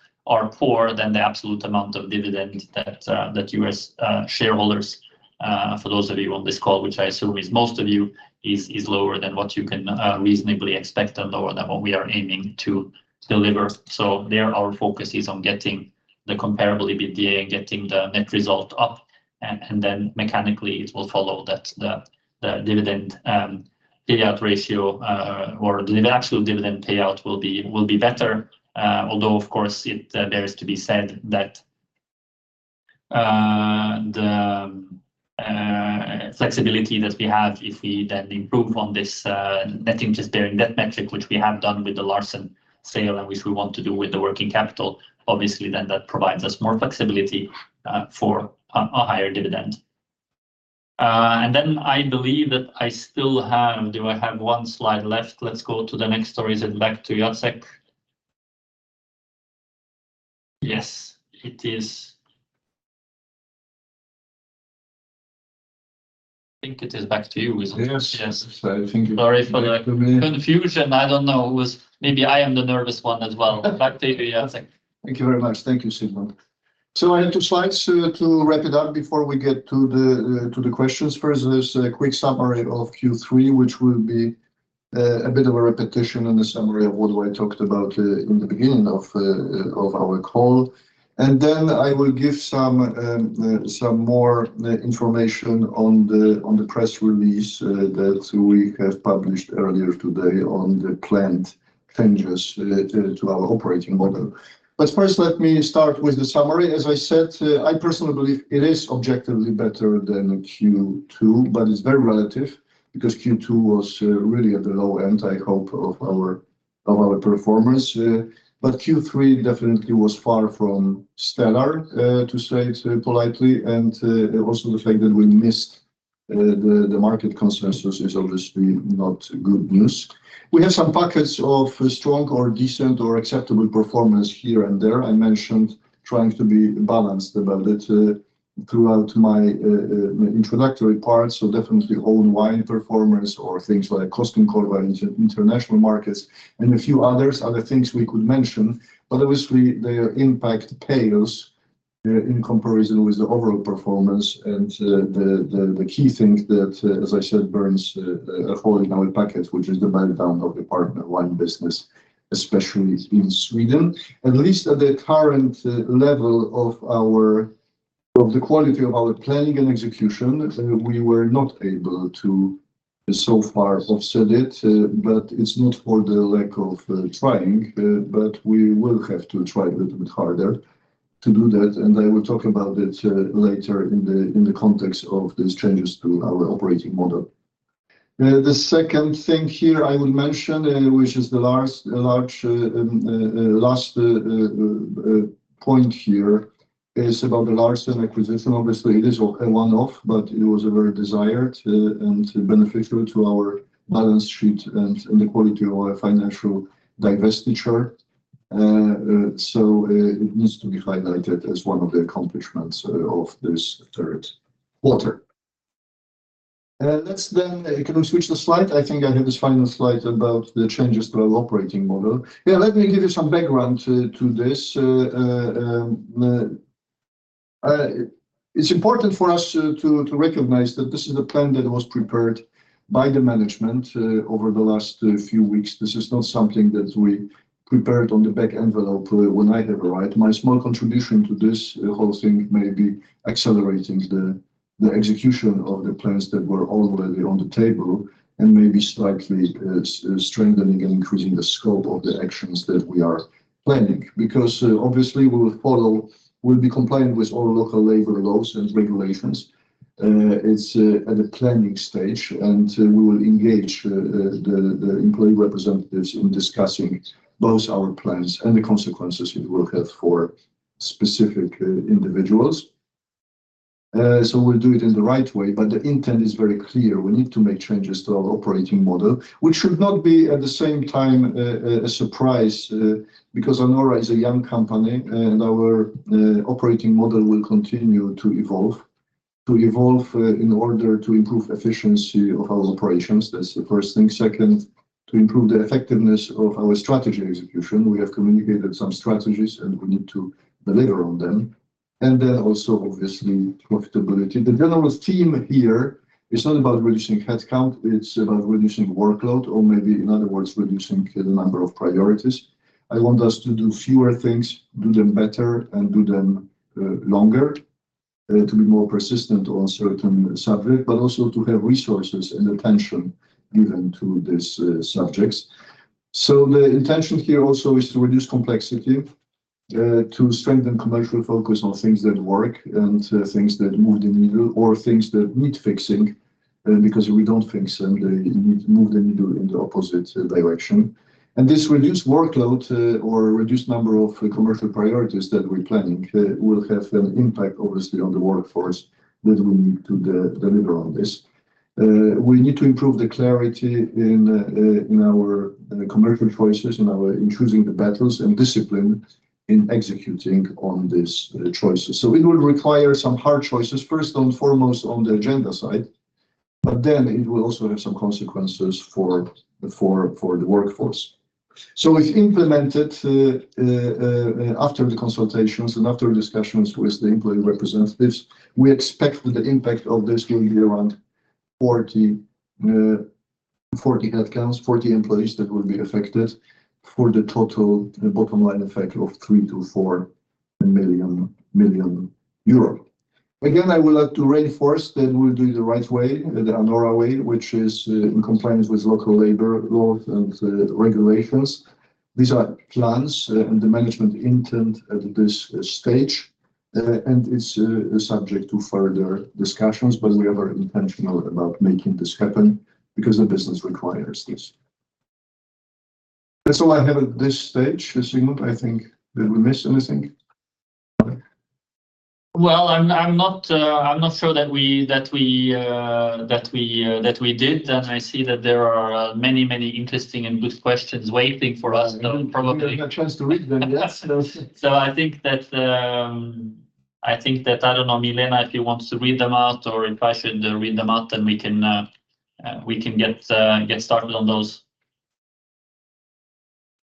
poor, then the absolute amount of dividend that, that you as, shareholders, for those of you on this call, which I assume is most of you, is, lower than what you can, reasonably expect and lower than what we are aiming to deliver. So there, our focus is on getting the comparable EBITDA and getting the net result up, and then mechanically, it will follow that the dividend payout ratio or the actual dividend payout will be better. Although, of course, it bears to be said that the flexibility that we have if we then improve on this net interest bearing debt metric, which we have done with the Larsen sale and which we want to do with the working capital, obviously then that provides us more flexibility for a higher dividend. And then I believe that I still have... Do I have one slide left? Let's go to the next, or is it back to Jacek? Yes, it is. I think it is back to you. Yes, yes, I think- Sorry for the confusion. I don't know. It was... Maybe I am the nervous one as well. Back to you, Jacek. Thank you very much. Thank you, Sigmund. So I have two slides to wrap it up before we get to the questions. First, there's a quick summary of Q3, which will be-... A bit of a repetition in the summary of what I talked about in the beginning of our call and then I will give some more information on the press release that we have published earlier today on the planned changes to our operating model. But first, let me start with the summary. As I said, I personally believe it is objectively better than Q2, but it's very relative, because Q2 was really at the low end, I hope, of our performance. But Q3 definitely was far from stellar, to say it politely, and also the fact that we missed the market consensus is obviously not good news. We have some pockets of strong or decent or acceptable performance here and there. I mentioned trying to be balanced about it, throughout my introductory part, so definitely own wine performance or things like Koskenkorva in international markets and a few others, other things we could mention. But obviously, their impact pales in comparison with the overall performance and the key thing that, as I said, burns a hole in our pocket, which is the meltdown of the partner wine business, especially in Sweden. At least at the current level of our... of the quality of our planning and execution, we were not able to so far offset it, but it's not for the lack of trying, but we will have to try a little bit harder to do that, and I will talk about it later in the context of these changes to our operating model. The second thing here I would mention, which is the last large last point here, is about the Larsen acquisition. Obviously, it is a one-off, but it was a very desirable to, and beneficial to our balance sheet and the quality of our financial divestiture. So it needs to be highlighted as one of the accomplishments of this third quarter. Let's then... Can we switch the slide? I think I have this final slide about the changes to our operating model. Yeah, let me give you some background to this. It's important for us to recognize that this is a plan that was prepared by the management over the last few weeks. This is not something that we prepared on the back envelope when I have arrived. My small contribution to this whole thing may be accelerating the execution of the plans that were already on the table, and maybe slightly strengthening and increasing the scope of the actions that we are planning. Because obviously, we'll be compliant with all local labor laws and regulations. It's at the planning stage, and we will engage the employee representatives in discussing both our plans and the consequences it will have for specific individuals. So we'll do it in the right way, but the intent is very clear. We need to make changes to our operating model, which should not be, at the same time, a surprise because Anora is a young company, and our operating model will continue to evolve. To evolve in order to improve efficiency of our operations, that's the first thing. Second, to improve the effectiveness of our strategy execution. We have communicated some strategies, and we need to deliver on them, and then also, obviously, profitability. The general theme here is not about reducing headcount, it's about reducing workload, or maybe in other words, reducing the number of priorities. I want us to do fewer things, do them better, and do them longer to be more persistent on certain subject, but also to have resources and attention given to these subjects. So the intention here also is to reduce complexity to strengthen commercial focus on things that work and things that move the needle or things that need fixing because if we don't fix them, they move the needle in the opposite direction. This reduced workload, or reduced number of commercial priorities that we're planning, will have an impact, obviously, on the workforce that we need to deliver on this. We need to improve the clarity in our commercial choices, in choosing the battles and discipline in executing on these choices. So it will require some hard choices, first and foremost on the agenda side, but then it will also have some consequences for the workforce. So it's implemented after the consultations and after discussions with the employee representatives. We expect that the impact of this will be around 40 headcounts, 40 employees that will be affected for the total bottom line effect of 3-4 million euro. Again, I would like to reinforce that we'll do it the right way, the Anora way, which is, in compliance with local labor laws and, regulations. These are plans, and the management intent at this stage, and it's, subject to further discussions, but we are very intentional about making this happen because the business requires this. That's all I have at this stage. Sigmund, I think, did we miss anything? Well, I'm not sure that we did, and I see that there are many, many interesting and good questions waiting for us, probably. We didn't get a chance to read them, yes, those. So I think that I don't know, Milena, if you want to read them out or if I should read them out, then we can get started on those....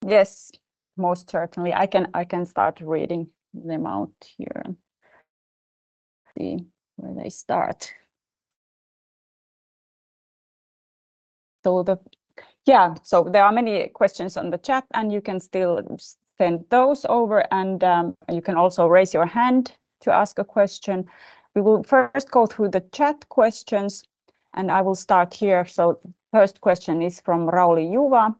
Yes, most certainly. I can, I can start reading them out here and see where they start. So the-- yeah, so there are many questions on the chat, and you can still send those over, and, you can also raise your hand to ask a question. We will first go through the chat questions, and I will start here. So the first question is from Rauli Juva.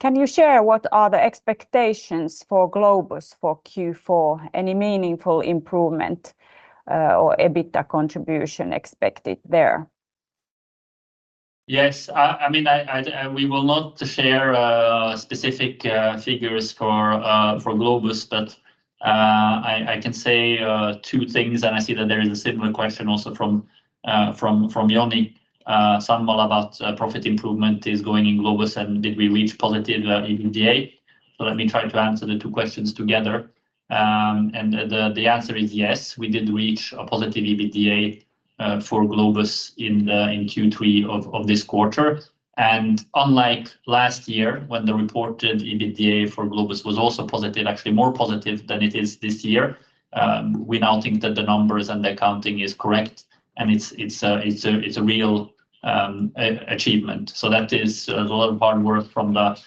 Can you share what are the expectations for Globus for Q4? Any meaningful improvement, or EBITDA contribution expected there? Yes. I mean, we will not share specific figures for Globus, but I can say two things. I see that there is a similar question also from Joni Sandvall, about profit improvement is going in Globus, and did we reach positive EBITDA? So let me try to answer the two questions together. The answer is yes, we did reach a positive EBITDA for Globus in Q3 of this quarter. Unlike last year, when the reported EBITDA for Globus was also positive, actually more positive than it is this year, we now think that the numbers and the accounting is correct, and it's a real achievement. So that is a lot of hard work from the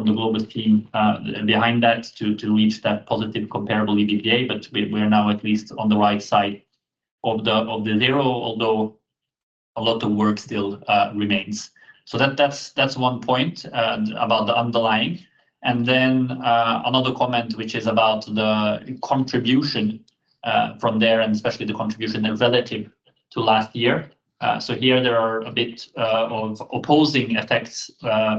Globus team behind that to reach that positive Comparable EBITDA. But we are now at least on the right side of the zero, although a lot of work still remains. So that's one point about the underlying. And then another comment, which is about the contribution from there, and especially the contribution then relative to last year. So here there are a bit of opposing effects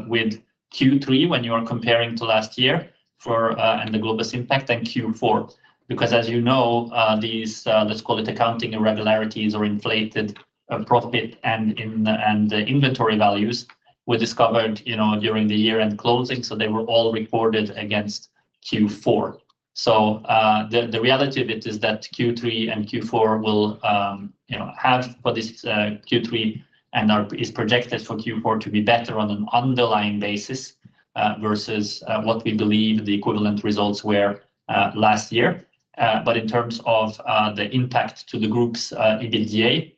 with Q3 when you are comparing to last year for and the Globus impact and Q4. Because as you know, these let's call it accounting irregularities or inflated profit and the inventory values were discovered, you know, during the year-end closing, so they were all reported against Q4. So, the reality of it is that Q3 and Q4 will, you know, have for this Q3 and is projected for Q4 to be better on an underlying basis versus what we believe the equivalent results were last year. But in terms of the impact to the Group's EBITDA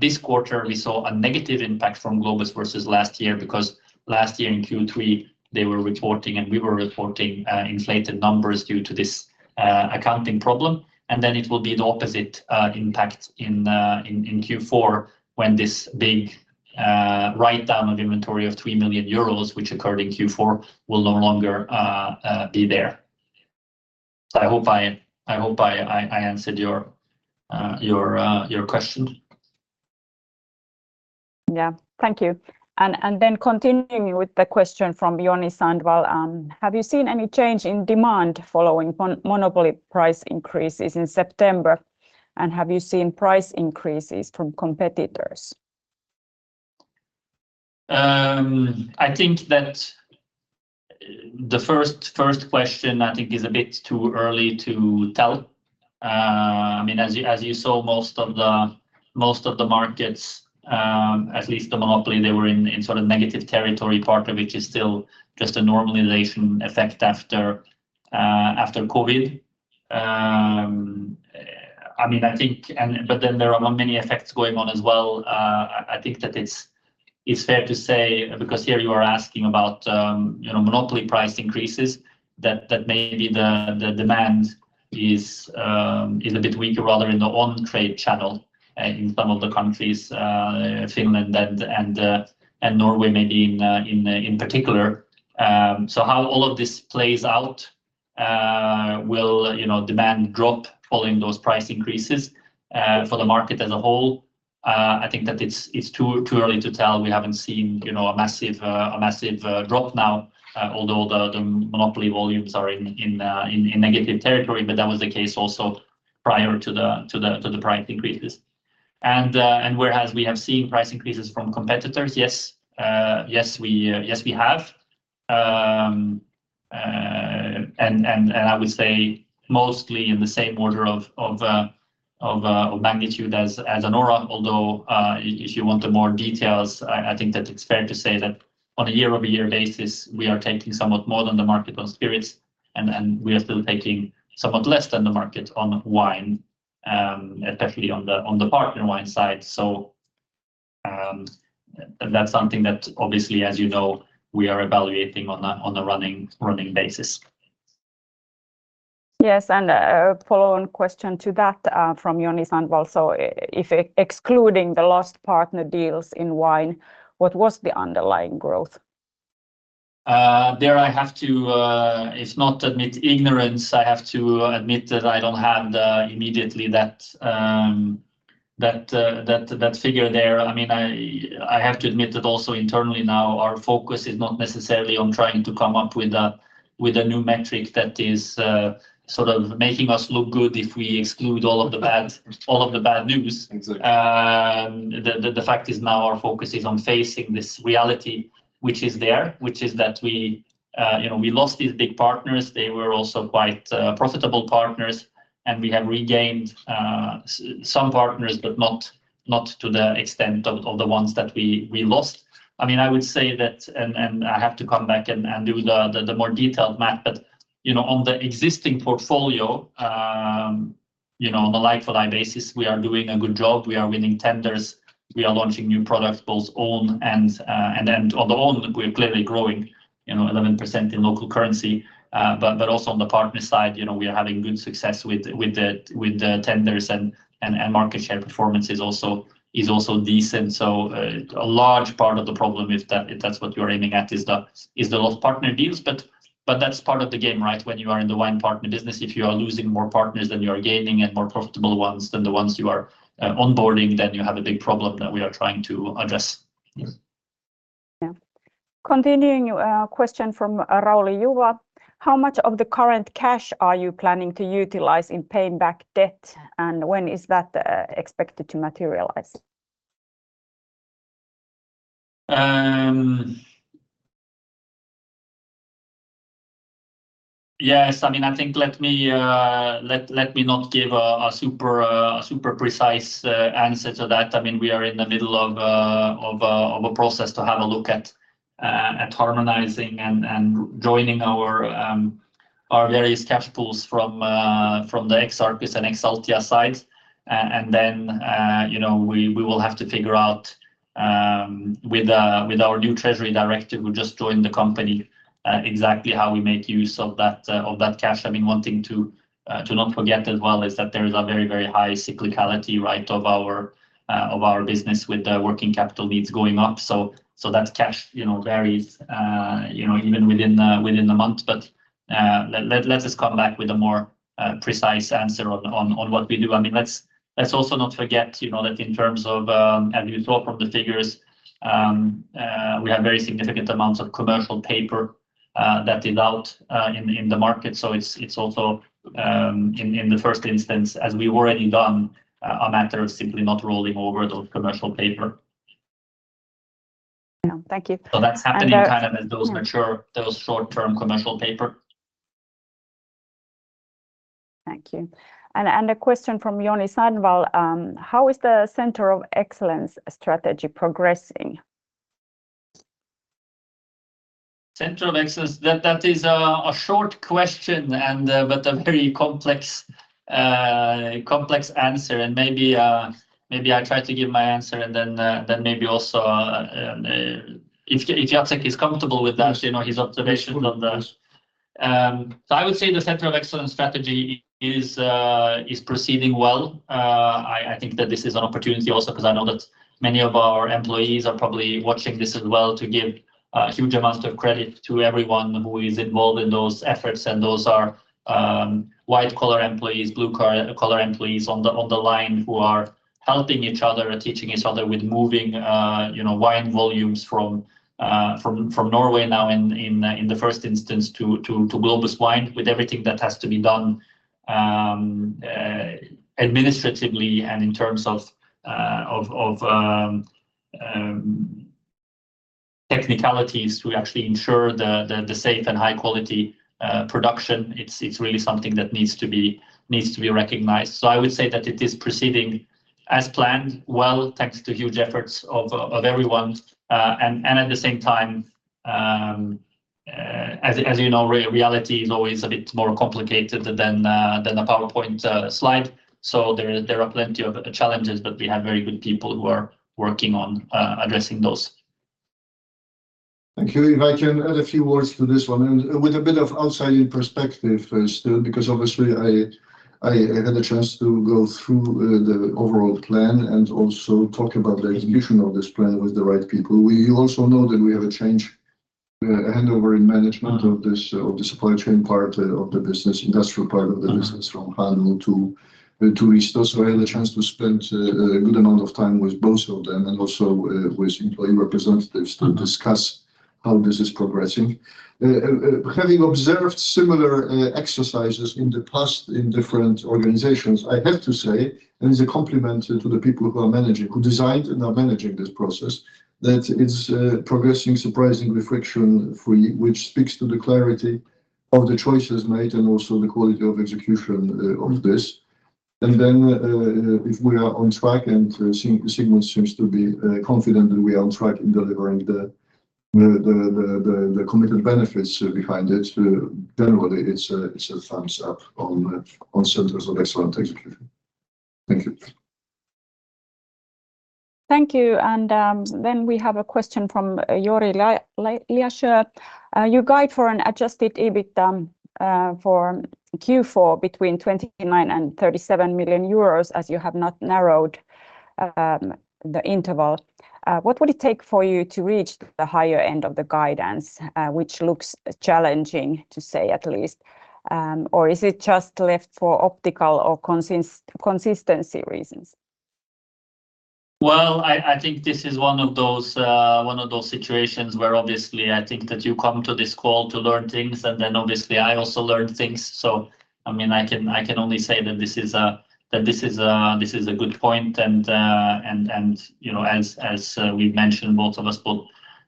this quarter, we saw a negative impact from Globus versus last year, because last year in Q3, they were reporting, and we were reporting, inflated numbers due to this accounting problem. And then it will be the opposite impact in Q4, when this big write-down of inventory of 3 million euros, which occurred in Q4, will no longer be there. So I hope I answered your question. Yeah. Thank you. And then continuing with the question from Joni Sandvall, have you seen any change in demand following monopoly price increases in September? And have you seen price increases from competitors? I think that the first question is a bit too early to tell. I mean, as you saw, most of the markets, at least the monopoly, they were in sort of negative territory, part of which is still just a normalization effect after COVID. I mean, I think... then there are not many effects going on as well. I think that it's fair to say, because here you are asking about, you know, monopoly price increases, that maybe the demand is a bit weaker, rather, in the on-trade channel, in some of the countries, Finland and Norway, maybe in particular. So how all of this plays out, will, you know, demand drop following those price increases for the market as a whole? I think that it's too early to tell. We haven't seen, you know, a massive drop now, although the monopoly volumes are in negative territory. But that was the case also prior to the price increases. And whereas we have seen price increases from competitors, yes, we have. And I would say mostly in the same order of magnitude as Anora, although if you want more details, I think that it's fair to say that on a year-over-year basis, we are taking somewhat more than the market on spirits, and we are still taking somewhat less than the market on wine, especially on the partner wine side. So, that's something that obviously, as you know, we are evaluating on a running basis. Yes, and a follow-on question to that, from Joni Sandvall. So if excluding the lost partner deals in wine, what was the underlying growth? There, I have to, if not admit ignorance, I have to admit that I don't have that figure there immediately. I mean, I have to admit that also internally now, our focus is not necessarily on trying to come up with a new metric that is sort of making us look good if we exclude all of the bad, all of the bad news. Exactly. The fact is now our focus is on facing this reality, which is there, which is that we, you know, we lost these big partners. They were also quite profitable partners. And we have regained some partners, but not to the extent of the ones that we lost. I mean, I would say that, and I have to come back and do the more detailed math, but you know, on the existing portfolio, you know, on the like-for-like basis, we are doing a good job. We are winning tenders, we are launching new products, both own and, and then on the own, we're clearly growing, you know, 11% in local currency. But also on the partner side, you know, we are having good success with the tenders and market share performance is also decent. So a large part of the problem, if that's what you are aiming at, is the lost partner deals. But that's part of the game, right? When you are in the wine partner business, if you are losing more partners than you are gaining, and more profitable ones than the ones you are onboarding, then you have a big problem that we are trying to address. Yes. Yeah. Continuing, question from Rauli Juva: How much of the current cash are you planning to utilize in paying back debt, and when is that expected to materialize? Yes, I mean, I think let me not give a super precise answer to that. I mean, we are in the middle of a process to have a look at harmonizing and joining our various cash pools from the Arcus and Altia sides. And then, you know, we will have to figure out with our new treasury director, who just joined the company, exactly how we make use of that cash. I mean, one thing to not forget as well is that there is a very, very high cyclicality, right, of our business with the working capital needs going up. So that cash, you know, varies, you know, even within the month. But let us come back with a more precise answer on what we do. I mean, let's also not forget, you know, that in terms of, as you saw from the figures, we have very significant amounts of commercial paper that is out in the market. So it's also, in the first instance, as we've already done, a matter of simply not rolling over those commercial paper. Yeah. Thank you. So that's happening- And, uh- kind of as those mature, those short-term commercial paper. Thank you. And a question from Joni Sandvall: How is the center of excellence strategy progressing? Center of Excellence, that is a short question and but a very complex answer. And maybe I try to give my answer and then maybe also, if Jacek is comfortable with that, you know, his observations on that. Sure. So I would say the Center of Excellence strategy is proceeding well. I think that this is an opportunity also because I know that many of our employees are probably watching this as well, to give huge amounts of credit to everyone who is involved in those efforts. And those are white-collar employees, blue-collar employees on the line, who are helping each other and teaching each other with moving, you know, wine volumes from Norway now in the first instance to Globus Wine, with everything that has to be done administratively and in terms of technicalities to actually ensure the safe and high quality production. It's really something that needs to be recognized. So I would say that it is proceeding as planned, well, thanks to huge efforts of everyone, and at the same time, as you know, reality is always a bit more complicated than a PowerPoint slide. So there are plenty of challenges, but we have very good people who are working on addressing those. Thank you. If I can add a few words to this one, and with a bit of outside perspective, still, because obviously I had a chance to go through the overall plan and also talk about the execution of this plan with the right people. We also know that we have a change, handover in management of this, of the supply chain part of the business, industrial part of the business- Mm-hmm... from Hannu to Risto. So I had a chance to spend a good amount of time with both of them and also with employee representatives- Mm... to discuss how this is progressing. Having observed similar exercises in the past in different organizations, I have to say, and as a compliment to the people who are managing, who designed and are managing this process, that it's progressing surprisingly friction-free, which speaks to the clarity of the choices made and also the quality of execution of this. And then, if we are on track, and Sigmund seems to be confident that we are on track in delivering the committed benefits behind it, generally, it's a thumbs up on centers of excellence. Thank you. Thank you. Then we have a question from Yuri Lyashch: You guide for an adjusted EBITDA for Q4 between 29 million and 37 million euros, as you have not narrowed the interval. What would it take for you to reach the higher end of the guidance, which looks challenging, to say at least? Or is it just left for optics or consistency reasons? Well, I think this is one of those situations where obviously I think that you come to this call to learn things, and then obviously I also learn things. So, I mean, I can only say that this is a good point and, you know, as we've mentioned, both of us, both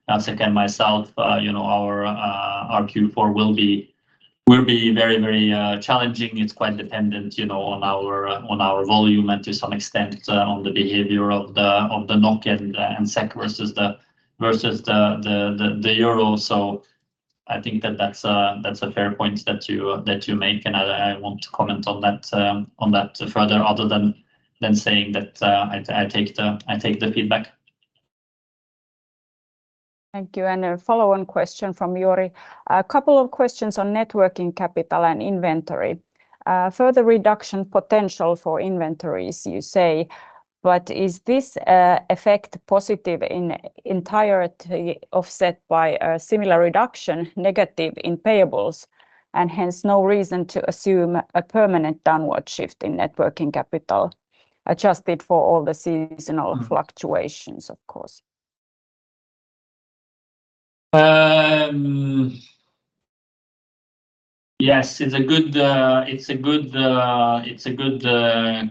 Jacek and myself, you know, our Q4 will be very, very challenging. It's quite dependent, you know, on our volume and to some extent, on the behavior of the NOK and SEK versus the euro. So I think that's a fair point that you make, and I won't comment on that further, other than saying that I take the feedback. Thank you. And a follow-on question from Yuri. A couple of questions on net working capital and inventory. Further reduction potential for inventories, you say, but is this effect positive in entirety offset by a similar reduction, negative in payables, and hence no reason to assume a permanent downward shift in net working capital, adjusted for all the seasonal fluctuations, of course? Yes, it's a good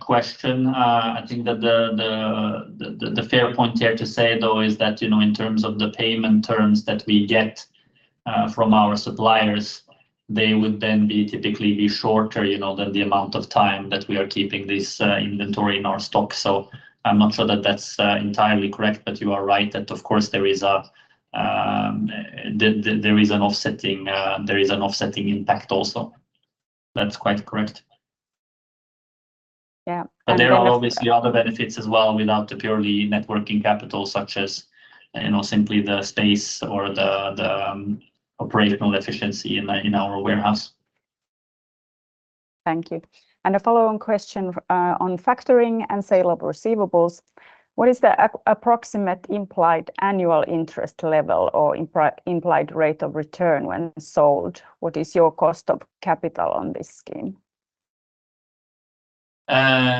question. I think that the fair point here to say, though, is that, you know, in terms of the payment terms that we get from our suppliers, they would then be typically shorter, you know, than the amount of time that we are keeping this inventory in our stock. So I'm not sure that that's entirely correct, but you are right that of course, there is an offsetting impact also. That's quite correct. Yeah. There are obviously other benefits as well, without the purely net working capital such as, you know, simply the space or the operational efficiency in our warehouse. Thank you. And a follow-on question on factoring and sale of receivables. What is the approximate implied annual interest level or implied rate of return when sold? What is your cost of capital on this scheme? I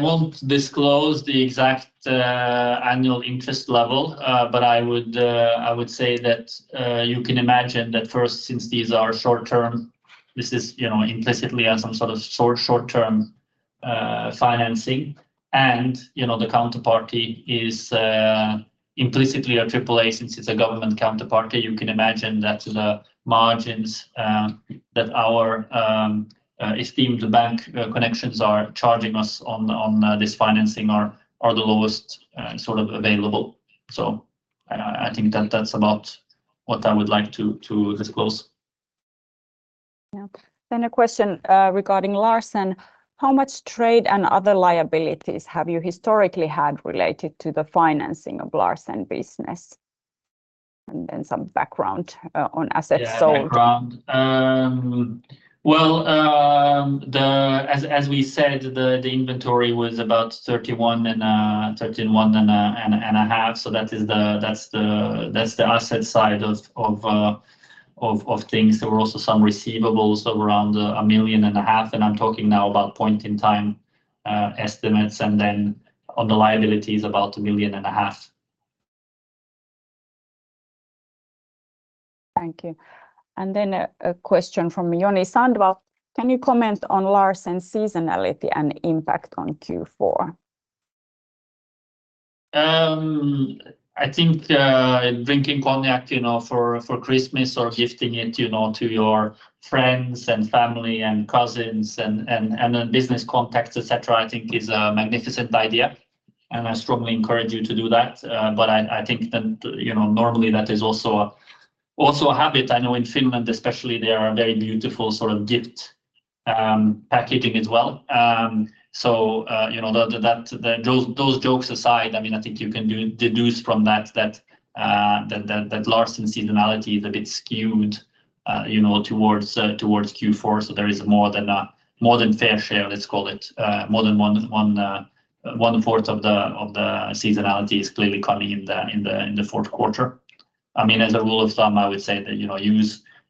won't disclose the exact annual interest level, but I would say that you can imagine that first, since these are short-term, this is, you know, implicitly as some sort of short, short-term financing. And, you know, the counterparty is implicitly a triple A, since it's a government counterparty. You can imagine that the margins that our esteemed bank connections are charging us on this financing are the lowest sort of available. So I think that that's about what I would like to disclose. Yeah. Then a question regarding Larsen. How much trade and other liabilities have you historically had related to the financing of Larsen business? And then some background on assets sold. Yeah, background. As we said, the inventory was about 31 and 13, 1.5. So that is the asset side of things. There were also some receivables of around 1.5 million, and I'm talking now about point-in-time estimates, and then on the liabilities, about 1.5 million. Thank you. And then a question from Joni Sandvall. Can you comment on Larsen's seasonality and impact on Q4? I think, drinking cognac, you know, for Christmas or gifting it, you know, to your friends and family and cousins and then business contacts, et cetera, I think is a magnificent idea, and I strongly encourage you to do that. But I think that, you know, normally that is also a habit. I know in Finland especially, they are a very beautiful sort of gift packaging as well. So, you know, that those jokes aside, I mean, I think you can deduce from that, that Larsen seasonality is a bit skewed, you know, towards Q4. So there is more than fair share, let's call it, more than one fourth of the seasonality is clearly coming in the fourth quarter. I mean, as a rule of thumb, I would say that, you know,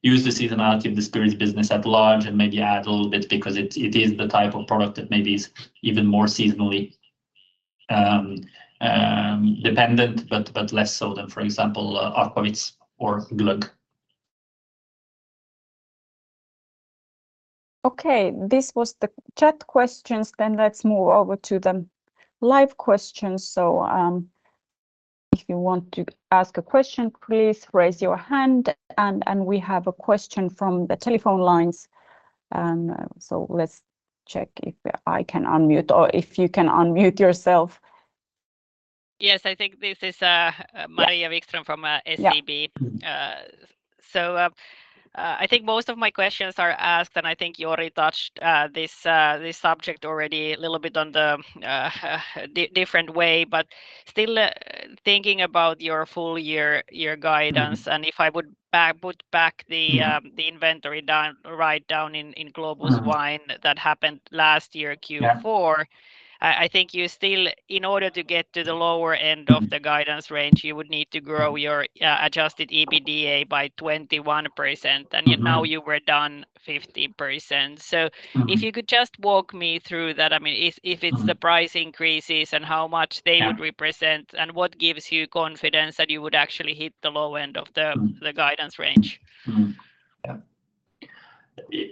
use the seasonality of the spirits business at large and maybe add a little bit because it is the type of product that maybe is even more seasonally dependent, but less so than, for example, aquavit or glögg. Okay, this was the chat questions, then let's move over to the live questions. So, if you want to ask a question, please raise your hand and we have a question from the telephone lines, and so let's check if I can unmute or if you can unmute yourself. Yes, I think this is... Yeah... Maria Wikström from SEB. Yeah. So, I think most of my questions are asked, and I think Yuri touched this subject already a little bit on the different way, but still, thinking about your full year guidance, and if I would put back the inventory down, right down in Globus Wine that happened last year, Q4- Yeah ... I think you still, in order to get to the lower end of the guidance range, you would need to grow your, adjusted EBITDA by 21%- Mm-hmm... and yet now you were down 50%. Mm-hmm. If you could just walk me through that. I mean, if it's- Mm-hmm... the price increases and how much they would represent- Yeah... and what gives you confidence that you would actually hit the low end of the- Mm-hmm... the guidance range? Yeah.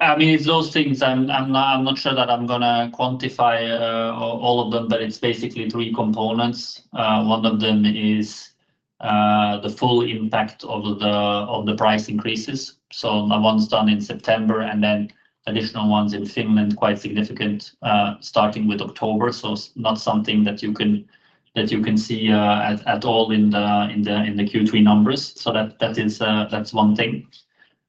I mean, it's those things. I'm not sure that I'm gonna quantify all of them, but it's basically three components. One of them is the full impact of the price increases. So the ones done in September, and then additional ones in Finland, quite significant, starting with October. So it's not something that you can see at all in the Q3 numbers. So that is that's one thing.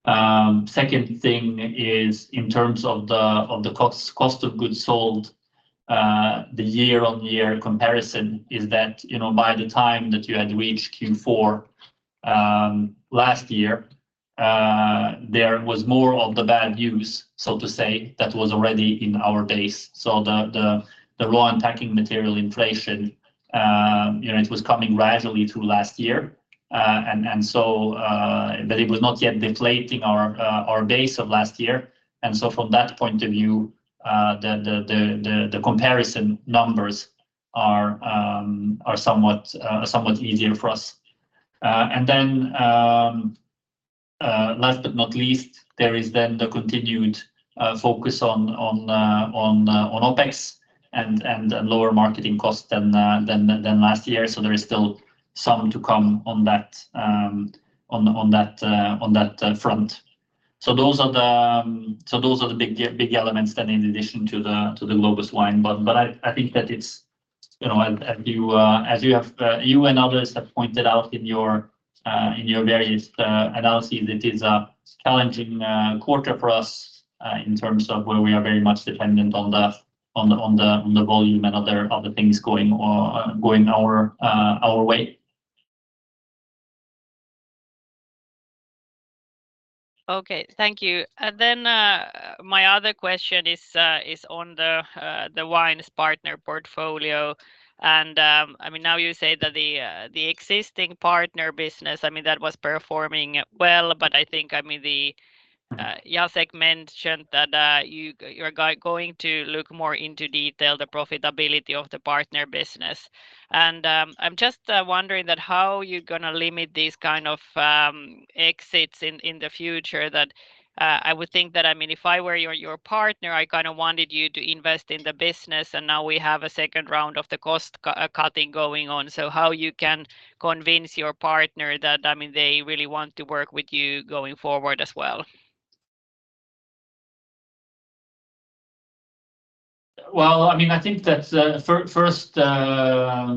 Second thing is in terms of the cost of goods sold, the year-on-year comparison is that, you know, by the time that you had reached Q4 last year, there was more of the bad news, so to say, that was already in our base. So the raw and packing material inflation, you know, it was coming gradually through last year. And so, but it was not yet deflating our base of last year. And so from that point of view, the comparison numbers are somewhat easier for us. And then last but not least, there is then the continued focus on OpEx and lower marketing costs than last year. So there is still some to come on that front. So those are the big elements then in addition to the Globus Wine. But I think that it's, you know, as you and others have pointed out in your various analyses, it is a challenging quarter for us in terms of where we are very much dependent on the volume and other things going our way. Okay. Thank you. And then, my other question is on the wines partner portfolio. And, I mean, now you say that the existing partner business, I mean, that was performing well. But I think, I mean, Jacek mentioned that, you're going to look more into detail the profitability of the partner business. And, I'm just wondering that how you're gonna limit these kind of exits in the future that, I would think that—I mean, if I were you, your partner, I kind of wanted you to invest in the business, and now we have a second round of the cost cutting going on. So how you can convince your partner that, I mean, they really want to work with you going forward as well? Well, I mean, I think that first, I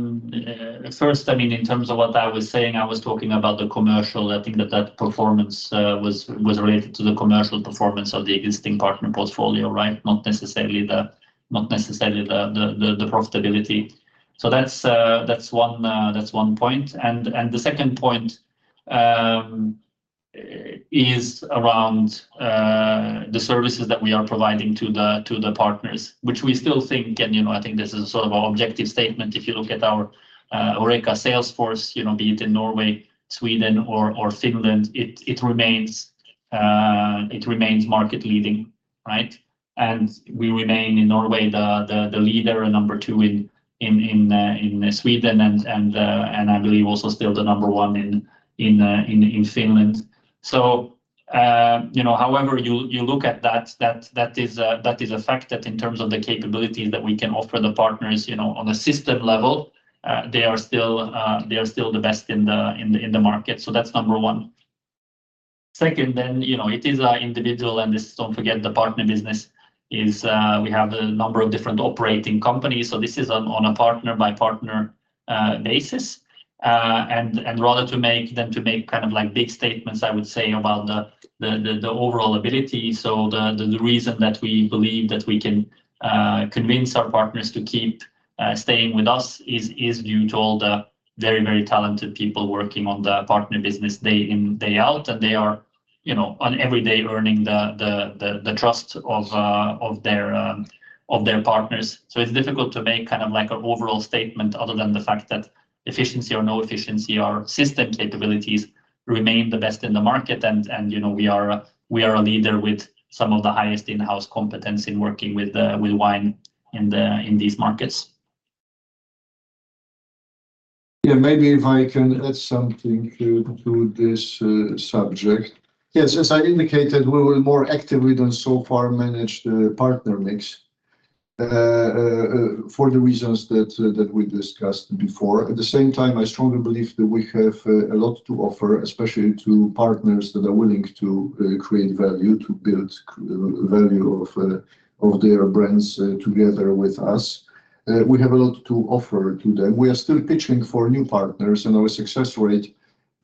mean, in terms of what I was saying, I was talking about the commercial. I think that that performance was related to the commercial performance of the existing partner portfolio, right? Not necessarily the profitability. So that's one point. And the second point is around the services that we are providing to the partners, which we still think, and you know, I think this is sort of our objective statement. If you look at our Anora sales force, you know, be it in Norway, Sweden or Finland, it remains market leading, right? We remain in Norway the leader and number two in Sweden, and I believe also still the number one in Finland. So, you know, however you look at that, that is a fact that in terms of the capabilities that we can offer the partners, you know, on a system level, they are still the best in the market. So that's number one. Second, then, you know, it is individual and this, don't forget, the partner business is we have a number of different operating companies, so this is on a partner by partner basis. Rather than to make kind of like big statements, I would say, about the overall ability. So the reason that we believe that we can convince our partners to keep staying with us is due to all the very, very talented people working on the partner business day in, day out. And they are, you know, every day earning the trust of their partners. So it's difficult to make kind of like an overall statement other than the fact that efficiency or no efficiency, our system capabilities remain the best in the market. And you know, we are a leader with some of the highest in-house competence in working with wine in these markets. Yeah, maybe if I can add something to, to this, subject. Yes, as I indicated, we will more actively than so far manage the partner mix, for the reasons that, that we discussed before. At the same time, I strongly believe that we have a, a lot to offer, especially to partners that are willing to, create value, to build value of, of their brands, together with us. We have a lot to offer to them. We are still pitching for new partners, and our success rate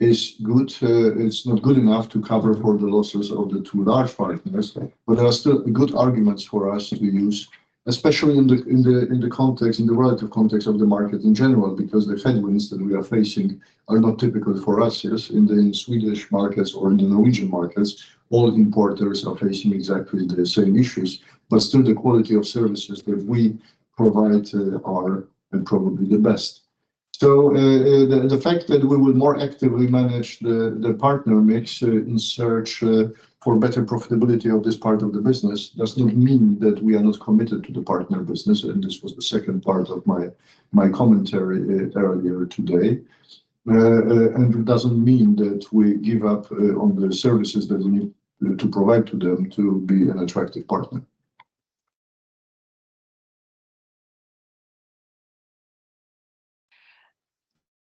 is good. It's not good enough to cover for the losses of the two large partners, but there are still good arguments for us to use, especially in the, in the, in the context, in the relative context of the market in general, because the headwinds that we are facing are not typical for us. Yes, in the Swedish markets or in the Norwegian markets, all importers are facing exactly the same issues, but still, the quality of services that we provide are probably the best. So, the fact that we will more actively manage the partner mix in search for better profitability of this partner business does not mean that we are not committed to the partner business, and this was the second part of my commentary earlier today. And it doesn't mean that we give up on the services that we need to provide to them to be an attractive partner.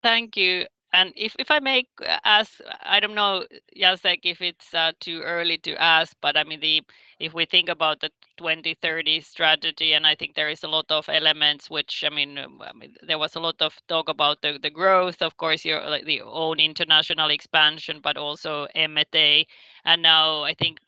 Thank you. And if I may ask, I don't know, Jacek, if it's too early to ask, but I mean, the... If we think about the 2030 strategy, and I think there is a lot of elements which, I mean, I mean, there was a lot of talk about the, the growth, of course, your, like, the own international expansion, but also M&A. And now I think,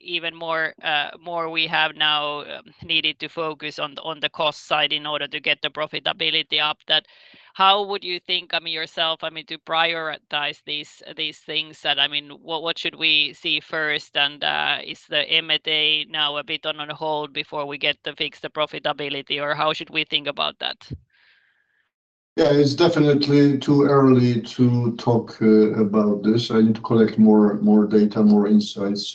even more, more we have now needed to focus on, on the cost side in order to get the profitability up that how would you think, I mean, yourself, I mean, to prioritize these, these things that... I mean, what, what should we see first, and, is the M&A now a bit on, on hold before we get to fix the profitability, or how should we think about that? Yeah, it's definitely too early to talk about this. I need to collect more data, more insights,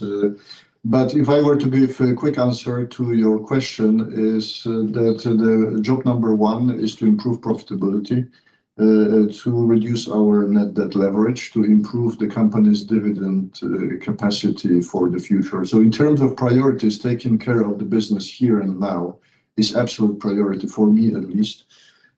but if I were to give a quick answer to your question, is that the job number one is to improve profitability, to reduce our net debt leverage, to improve the company's dividend capacity for the future. So in terms of priorities, taking care of the business here and now is absolute priority for me, at least.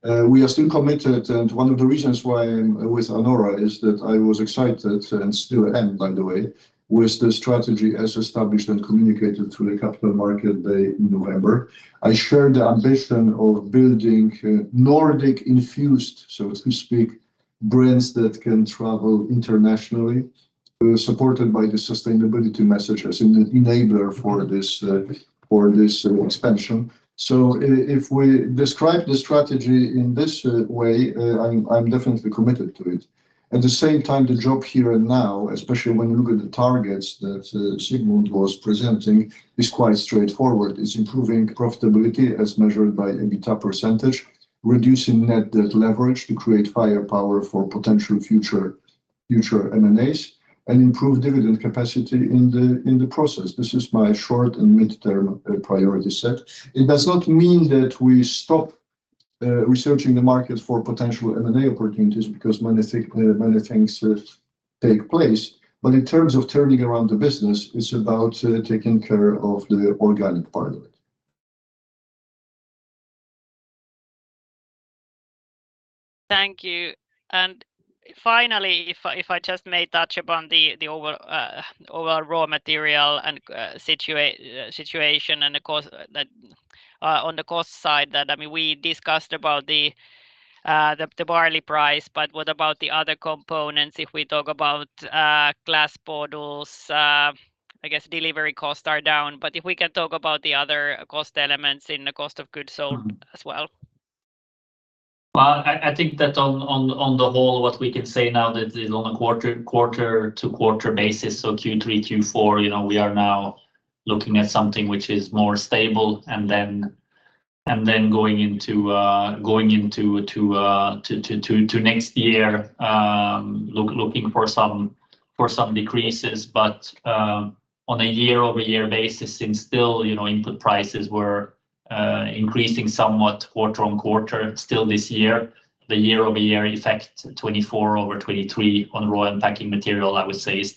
We are still committed, and one of the reasons why I'm with Anora is that I was excited, and still am, by the way, with the strategy as established and communicated to the Capital Markets Day in November. I share the ambition of building a Nordic infused, so to speak, brands that can travel internationally, supported by the sustainability message as an enabler for this expansion. So if we describe the strategy in this way, I'm definitely committed to it. At the same time, the job here and now, especially when you look at the targets that Sigmund was presenting, is quite straightforward. It's improving profitability as measured by EBITDA percentage, reducing net debt leverage to create firepower for potential future M&As, and improve dividend capacity in the process. This is my short and mid-term priority set. It does not mean that we stop researching the market for potential M&A opportunities, because many things take place. But in terms of turning around the business, it's about taking care of the organic part of it. Thank you. And finally, if I just may touch upon the overall raw material and situation and the cost, on the cost side, that, I mean, we discussed about the barley price, but what about the other components? If we talk about glass bottles, I guess delivery costs are down, but if we can talk about the other cost elements in the cost of goods sold as well. Well, I think that on the whole, what we can say now is on a quarter-over-quarter basis, so Q3, Q4, you know, we are now looking at something which is more stable, and then going into next year, looking for some decreases. But on a year-over-year basis, and still, you know, input prices were increasing somewhat quarter-over-quarter. Still this year, the year-over-year effect, 2024 over 2023 on raw and packing material, I would say is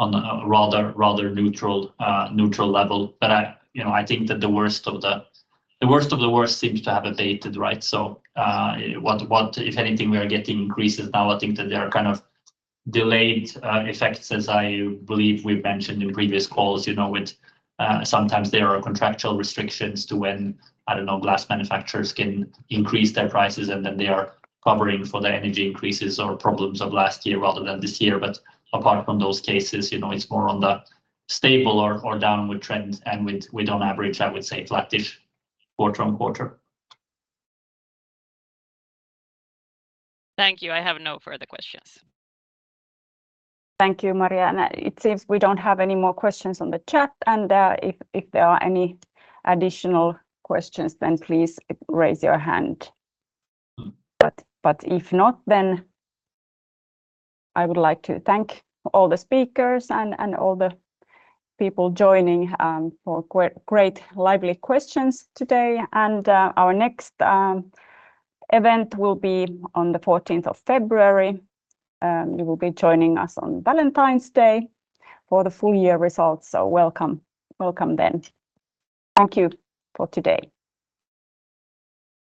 still on a rather neutral level. But I think that the worst of the worst seems to have abated, right? So, what... If anything, we are getting increases now, I think that they are kind of delayed effects, as I believe we've mentioned in previous calls. You know, with, sometimes there are contractual restrictions to when, I don't know, glass manufacturers can increase their prices, and then they are covering for the energy increases or problems of last year rather than this year. But apart from those cases, you know, it's more on the stable or downward trend, and with on average, I would say flat-ish quarter on quarter. Thank you. I have no further questions. Thank you, Maria. It seems we don't have any more questions on the chat. And if there are any additional questions, then please raise your hand. But if not, then I would like to thank all the speakers and all the people joining for great, great lively questions today. And our next event will be on the fourteenth of February. You will be joining us on Valentine's Day for the full year results, so welcome. Welcome then. Thank you for today.